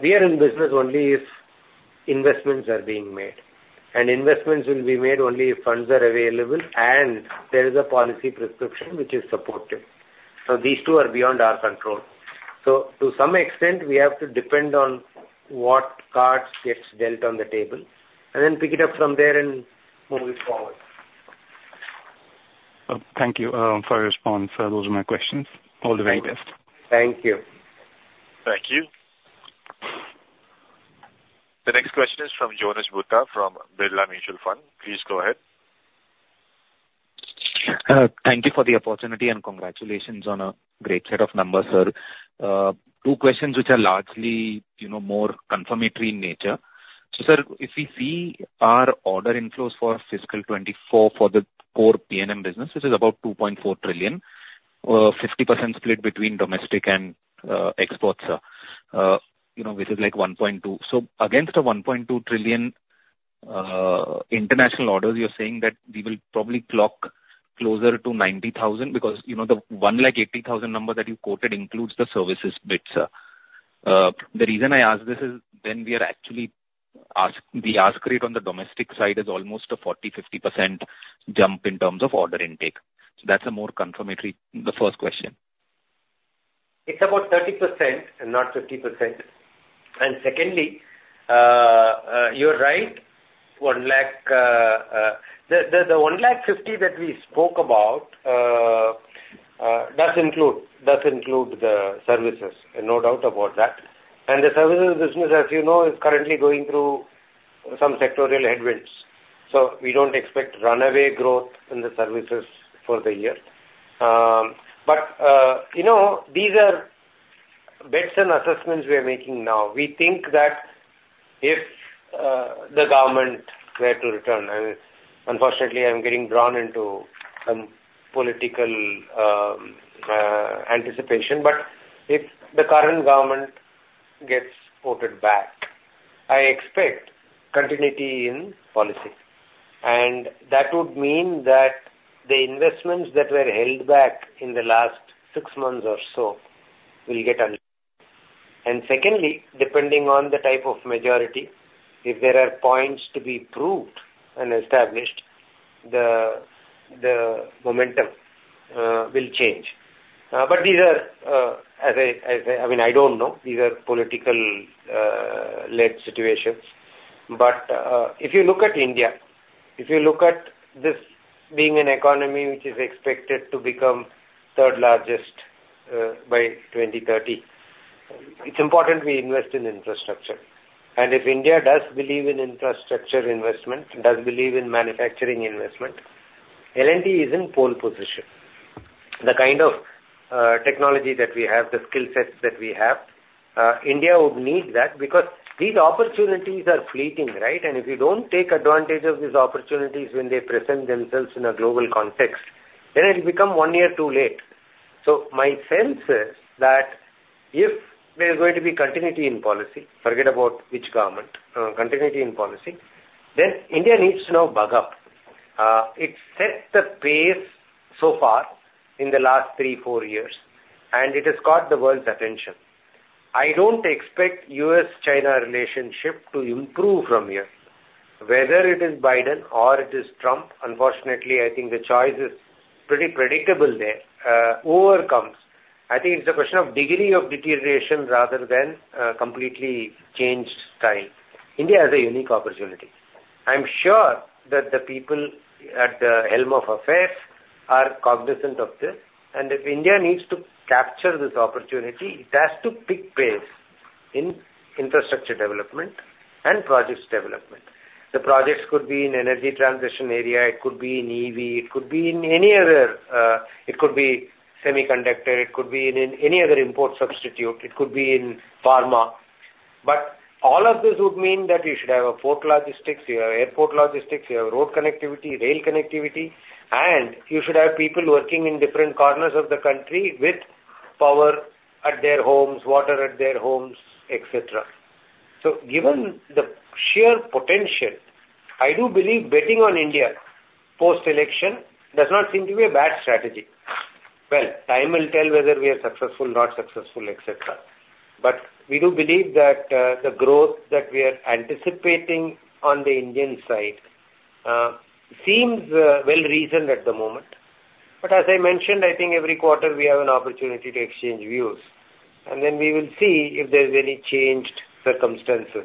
we are in business only if investments are being made, and investments will be made only if funds are available and there is a policy prescription which is supportive. These two are beyond our control. So to some extent, we have to depend on what cards get dealt on the table, and then pick it up from there and move it forward. Thank you, for your response. Those are my questions. All the very best. Thank you. Thank you. The next question is from Jonas Bhutta, from Birla Mutual Fund. Please go ahead. Thank you for the opportunity, and congratulations on a great set of numbers, sir. Two questions which are largely, you know, more confirmatory in nature. So, sir, if we see our order inflows for fiscal 2024 for the core P&M business, which is about 2.4 trillion, 50% split between domestic and exports, sir. You know, this is like 1.2. So against the 1.2 trillion international orders, you're saying that we will probably clock closer to 90,000 crore, because, you know, the 180,000 crore number that you quoted includes the services bits, sir. The reason I ask this is then we are actually asking, the intake rate on the domestic side is almost a 40%-50% jump in terms of order intake. So that's a more confirmatory, the first question. It's about 30% and not 50%. And secondly, you're right, the 1.5 lakh that we spoke about does include, does include the services, and no doubt about that. And the services business, as you know, is currently going through some sectoral headwinds, so we don't expect runaway growth in the services for the year. But, you know, these are bets and assessments we are making now. We think that if the government were to return, and unfortunately, I'm getting drawn into some political anticipation, but if the current government gets voted back, I expect continuity in policy. And that would mean that the investments that were held back in the last six months or so will get unlocked. Secondly, depending on the type of majority, if there are points to be proved and established, the momentum will change. But these are, I mean, I don't know. These are political led situations. But if you look at India, if you look at this being an economy which is expected to become third largest by 2030, it's important we invest in infrastructure. And if India does believe in infrastructure investment, does believe in manufacturing investment, L&T is in pole position. The kind of technology that we have, the skill sets that we have, India would need that because these opportunities are fleeting, right? And if you don't take advantage of these opportunities when they present themselves in a global context, then it'll become one year too late. So my sense is that if there's going to be continuity in policy, forget about which government, continuity in policy, then India needs to now buck up. It set the pace so far in the last 3, 4 years, and it has caught the world's attention. I don't expect U.S.-China relationship to improve from here. Whether it is Biden or it is Trump, unfortunately, I think the choice is pretty predictable there. Whoever comes, I think it's a question of degree of deterioration rather than a completely changed tide. India has a unique opportunity. I'm sure that the people at the helm of affairs are cognizant of this, and if India needs to capture this opportunity, it has to pick pace in infrastructure development and projects development. The projects could be in energy transition area, it could be in EV, it could be in any other, it could be semiconductor, it could be in any other import substitute, it could be in pharma. But all of this would mean that you should have a port logistics, you have airport logistics, you have road connectivity, rail connectivity, and you should have people working in different corners of the country with power at their homes, water at their homes, et cetera. So given the sheer potential, I do believe betting on India post-election does not seem to be a bad strategy. Well, time will tell whether we are successful, not successful, et cetera. But we do believe that, the growth that we are anticipating on the Indian side, seems, well reasoned at the moment. But as I mentioned, I think every quarter we have an opportunity to exchange views, and then we will see if there's any changed circumstances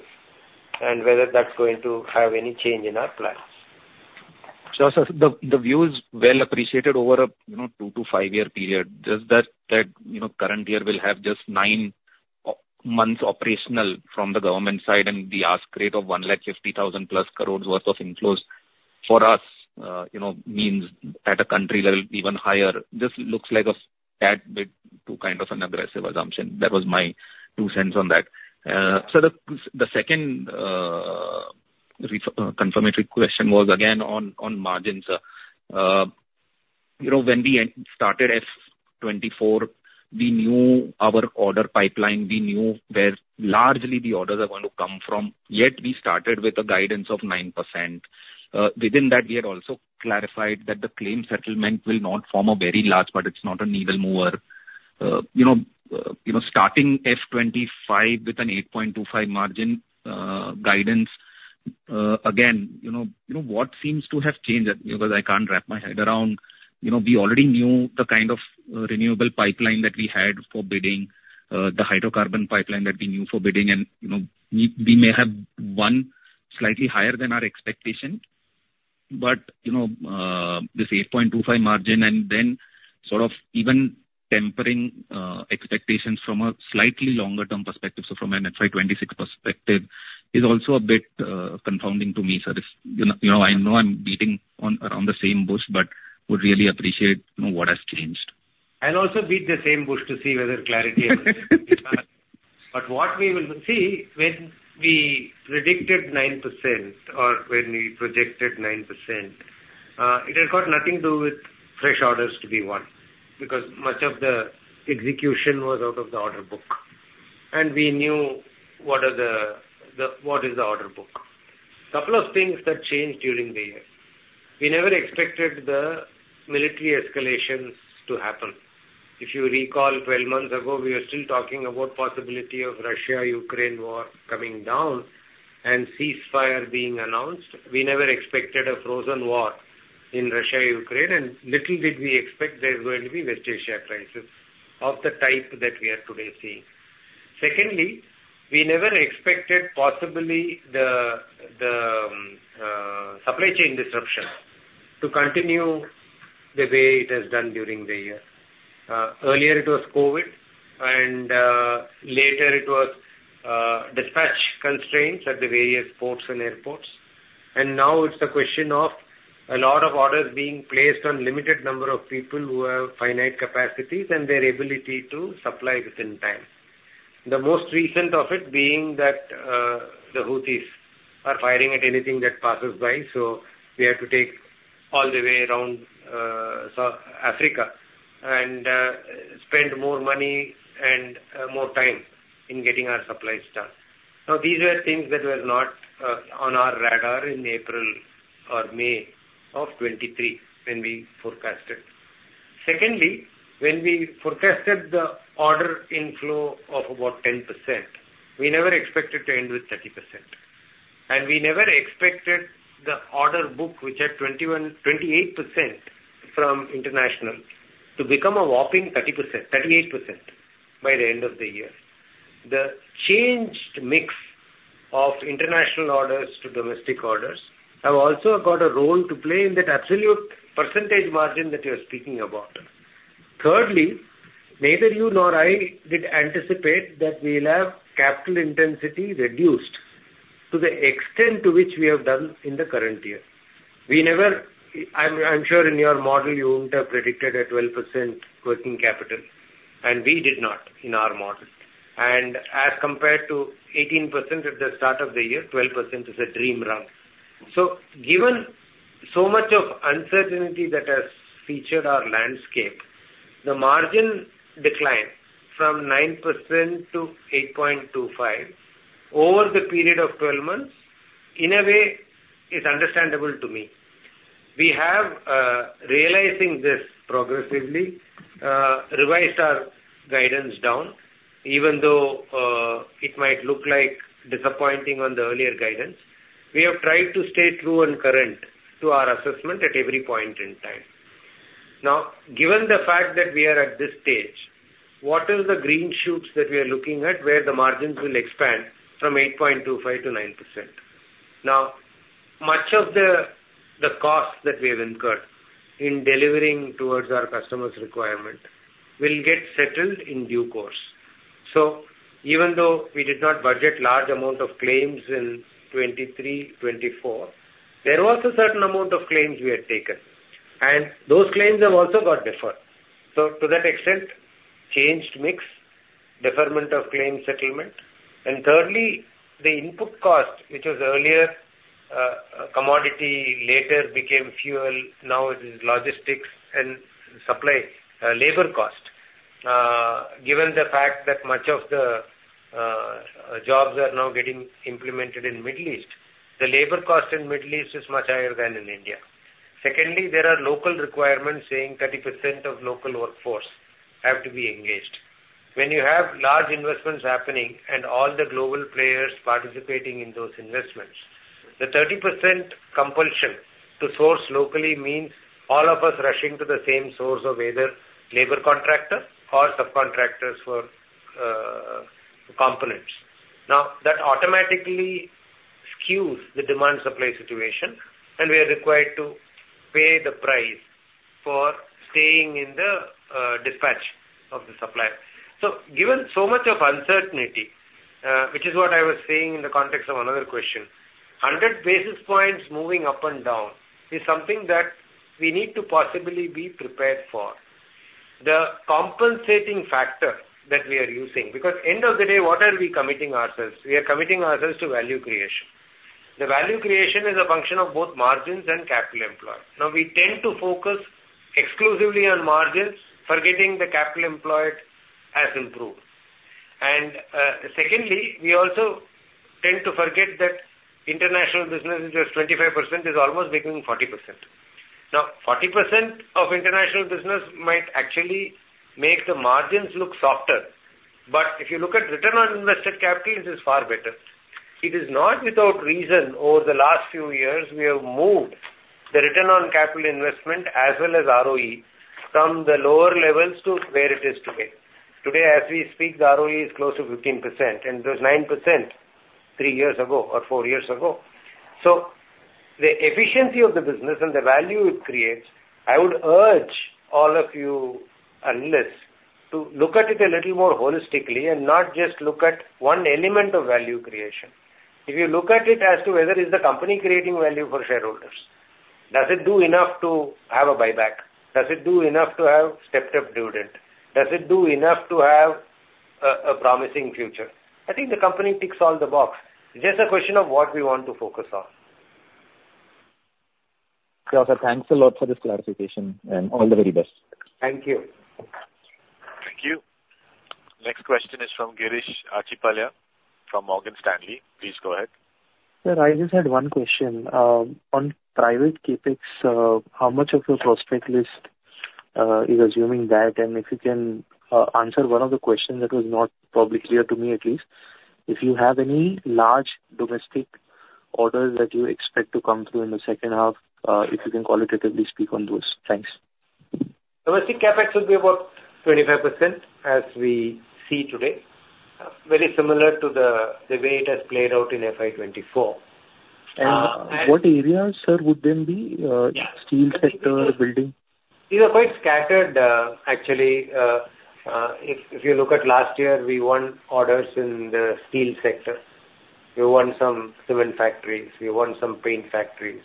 and whether that's going to have any change in our plans. Sure, sir. The view is well appreciated over a, you know, 2- to 5-year period. Just that current year will have just 9 months operational from the government side and the ask rate of 150,000 crore+ worth of inflows for us, you know, means at a country level, even higher, just looks like a tad bit too kind of an aggressive assumption. That was my two cents on that. So the second re-confirmatory question was again on margins, sir. You know, when we started FY 2024, we knew our order pipeline, we knew where largely the orders are going to come from, yet we started with a guidance of 9%. Within that, we had also clarified that the claim settlement will not form a very large, but it's not a needle mover. You know, you know, starting FY 2025 with an 8.25 margin guidance, again, you know, you know, what seems to have changed? Because I can't wrap my head around. You know, we already knew the kind of renewable pipeline that we had for bidding, the hydrocarbon pipeline that we knew for bidding and, you know, we, we may have won slightly higher than our expectation, but, you know, this 8.25 margin and then sort of even tempering expectations from a slightly longer term perspective, so from an FY 2026 perspective is also a bit confounding to me, sir. If, you know, you know, I know I'm beating on the same bush, but would really appreciate, you know, what has changed. I'll also beat the same bush to see whether clarity. But what we will see when we predicted 9%, or when we projected 9%, it has got nothing to do with fresh orders to be won, because much of the execution was out of the order book, and we knew what the order book is. A couple of things that changed during the year. We never expected the military escalations to happen. If you recall, 12 months ago, we were still talking about possibility of Russia-Ukraine war coming down and ceasefire being announced. We never expected a frozen war in Russia-Ukraine, and little did we expect there's going to be West Asia crisis of the type that we are today seeing. Secondly, we never expected possibly the supply chain disruption to continue the way it has done during the year. Earlier it was COVID, and later it was dispatch constraints at the various ports and airports. Now it's the question of a lot of orders being placed on limited number of people who have finite capacities and their ability to supply within time. The most recent of it being that the Houthis are firing at anything that passes by, so we have to take all the way around South Africa and spend more money and more time in getting our supplies done. Now, these were things that were not on our radar in April or May of 2023, when we forecasted. Secondly, when we forecasted the order inflow of about 10%, we never expected to end with 30%. And we never expected the order book, which had 21%-28% from international, to become a whopping 30%-38% by the end of the year. The changed mix of international orders to domestic orders have also got a role to play in that absolute percentage margin that you're speaking about. Thirdly, neither you nor I did anticipate that we'll have capital intensity reduced to the extent to which we have done in the current year. We never... I'm, I'm sure in your model, you wouldn't have predicted a 12% working capital, and we did not in our model. And as compared to 18% at the start of the year, 12% is a dream run. So given so much of uncertainty that has featured our landscape, the margin decline from 9% to 8.25 over the period of 12 months, in a way, is understandable to me. We have, realizing this progressively, revised our guidance down, even though, it might look like disappointing on the earlier guidance. We have tried to stay true and current to our assessment at every point in time. Now, given the fact that we are at this stage, what is the green shoots that we are looking at, where the margins will expand from 8.25 to 9%? Now, much of the, the cost that we have incurred in delivering towards our customer's requirement will get settled in due course. So even though we did not budget large amount of claims in 2023, 2024, there was a certain amount of claims we had taken, and those claims have also got deferred. So to that extent, changed mix, deferment of claim settlement. And thirdly, the input cost, which was earlier, commodity, later became fuel, now it is logistics and supply, labor cost. Given the fact that much of the jobs are now getting implemented in Middle East, the labor cost in Middle East is much higher than in India. Secondly, there are local requirements saying 30% of local workforce have to be engaged. When you have large investments happening and all the global players participating in those investments, the 30% compulsion to source locally means all of us rushing to the same source of either labor contractor or subcontractors for, components. Now, that automatically skews the demand supply situation, and we are required to pay the price for staying in the, dispatch of the supplier. So given so much of uncertainty, which is what I was saying in the context of another question, 100 basis points moving up and down is something that we need to possibly be prepared for. The compensating factor that we are using, because end of the day, what are we committing ourselves? We are committing ourselves to value creation. The value creation is a function of both margins and capital employed. Now, we tend to focus exclusively on margins, forgetting the capital employed has improved. And, secondly, we also tend to forget that international business, which was 25%, is almost becoming 40%. Now, 40% of international business might actually make the margins look softer, but if you look at return on invested capital, it is far better. It is not without reason over the last few years, we have moved the return on capital investment, as well as ROE, from the lower levels to where it is today. Today, as we speak, the ROE is close to 15%, and it was 9% three years ago or four years ago. So, the efficiency of the business and the value it creates, I would urge all of you analysts to look at it a little more holistically and not just look at one element of value creation. If you look at it as to whether is the company creating value for shareholders, does it do enough to have a buyback? Does it do enough to have stepped up dividend? Does it do enough to have a promising future? I think the company ticks all the boxes. It's just a question of what we want to focus on. Yeah, sir, thanks a lot for this clarification, and all the very best. Thank you. Thank you. Next question is from Girish Achhipalia from Morgan Stanley. Please go ahead. Sir, I just had one question, on private CapEx, how much of your prospect list, is assuming that? And if you can, answer one of the questions that was not probably clear to me at least, if you have any large domestic orders that you expect to come through in the second half, if you can qualitatively speak on those. Thanks. Domestic CapEx will be about 25%, as we see today, very similar to the way it has played out in FY 2024. And- What areas, sir, would then be, steel sector, building? These are quite scattered, actually. If you look at last year, we won orders in the steel sector. We won some cement factories, we won some paint factories,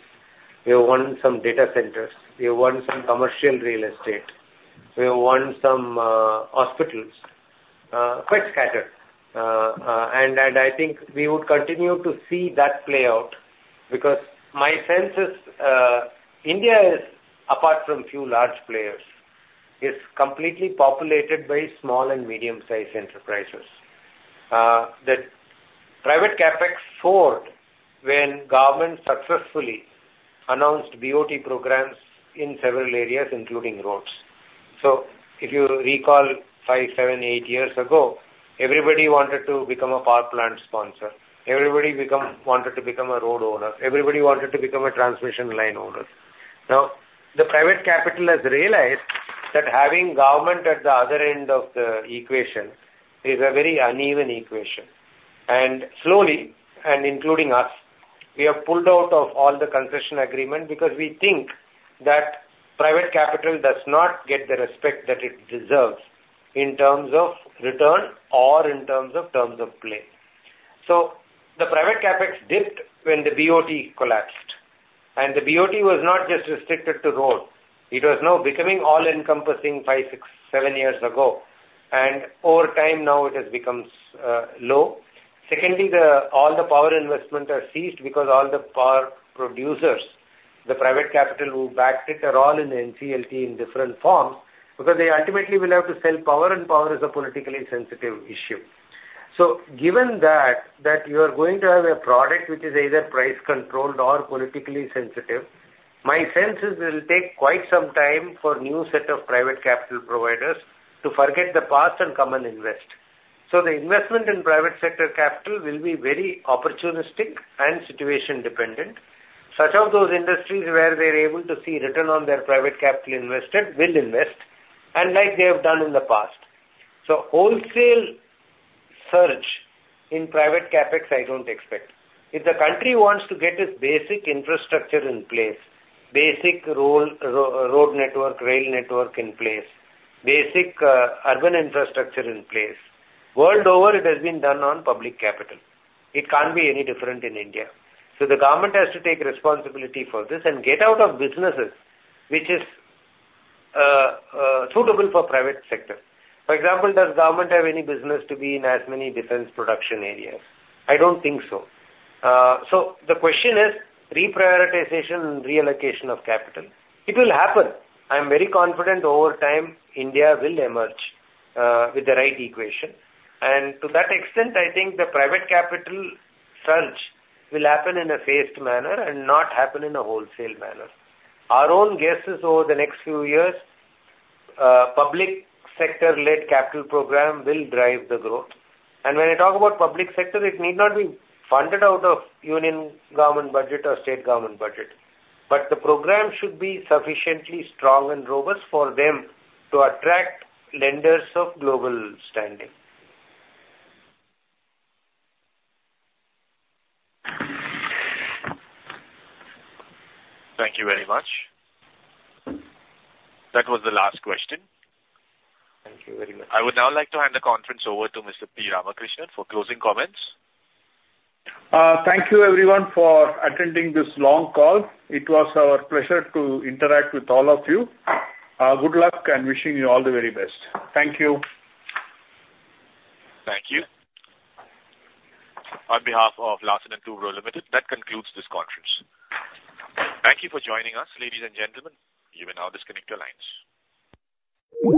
we won some data centers, we won some commercial real estate, we won some hospitals. Quite scattered. And I think we would continue to see that play out because my sense is, India is, apart from a few large players, is completely populated by small and medium-sized enterprises. The private CapEx soared when government successfully announced BOT programs in several areas, including roads. So if you recall, 5, 7, 8 years ago, everybody wanted to become a power plant sponsor. Everybody wanted to become a road owner. Everybody wanted to become a transmission line owner. Now, the private capital has realized that having government at the other end of the equation is a very uneven equation. And slowly, and including us, we have pulled out of all the concession agreement because we think that private capital does not get the respect that it deserves in terms of return or in terms of terms of play. So the private CapEx dipped when the BOT collapsed, and the BOT was not just restricted to road. It was now becoming all-encompassing 5, 6, 7 years ago, and over time, now it has become low. Secondly, the, all the power investments are ceased because all the power producers, the private capital who backed it, are all in NCLT in different forms, because they ultimately will have to sell power, and power is a politically sensitive issue. So given that, that you are going to have a product which is either price controlled or politically sensitive, my sense is it will take quite some time for new set of private capital providers to forget the past and come and invest. So the investment in private sector capital will be very opportunistic and situation dependent. Such of those industries where they're able to see return on their private capital invested, will invest, and like they have done in the past. So wholesale surge in private CapEx, I don't expect. If the country wants to get its basic infrastructure in place, basic road network, rail network in place, basic urban infrastructure in place, world over, it has been done on public capital. It can't be any different in India. So the government has to take responsibility for this and get out of businesses, which is suitable for private sector. For example, does government have any business to be in as many defense production areas? I don't think so. So the question is reprioritization and reallocation of capital. It will happen. I am very confident over time, India will emerge with the right equation. And to that extent, I think the private capital surge will happen in a phased manner and not happen in a wholesale manner. Our own guess is over the next few years, public sector-led capital program will drive the growth. And when I talk about public sector, it need not be funded out of union government budget or state government budget, but the program should be sufficiently strong and robust for them to attract lenders of global standing. Thank you very much. That was the last question. Thank you very much. I would now like to hand the conference over to Mr. P. Ramakrishnan for closing comments. Thank you everyone for attending this long call. It was our pleasure to interact with all of you. Good luck and wishing you all the very best. Thank you. Thank you. On behalf of Larsen & Toubro Limited, that concludes this conference. Thank you for joining us, ladies and gentlemen. You may now disconnect your lines.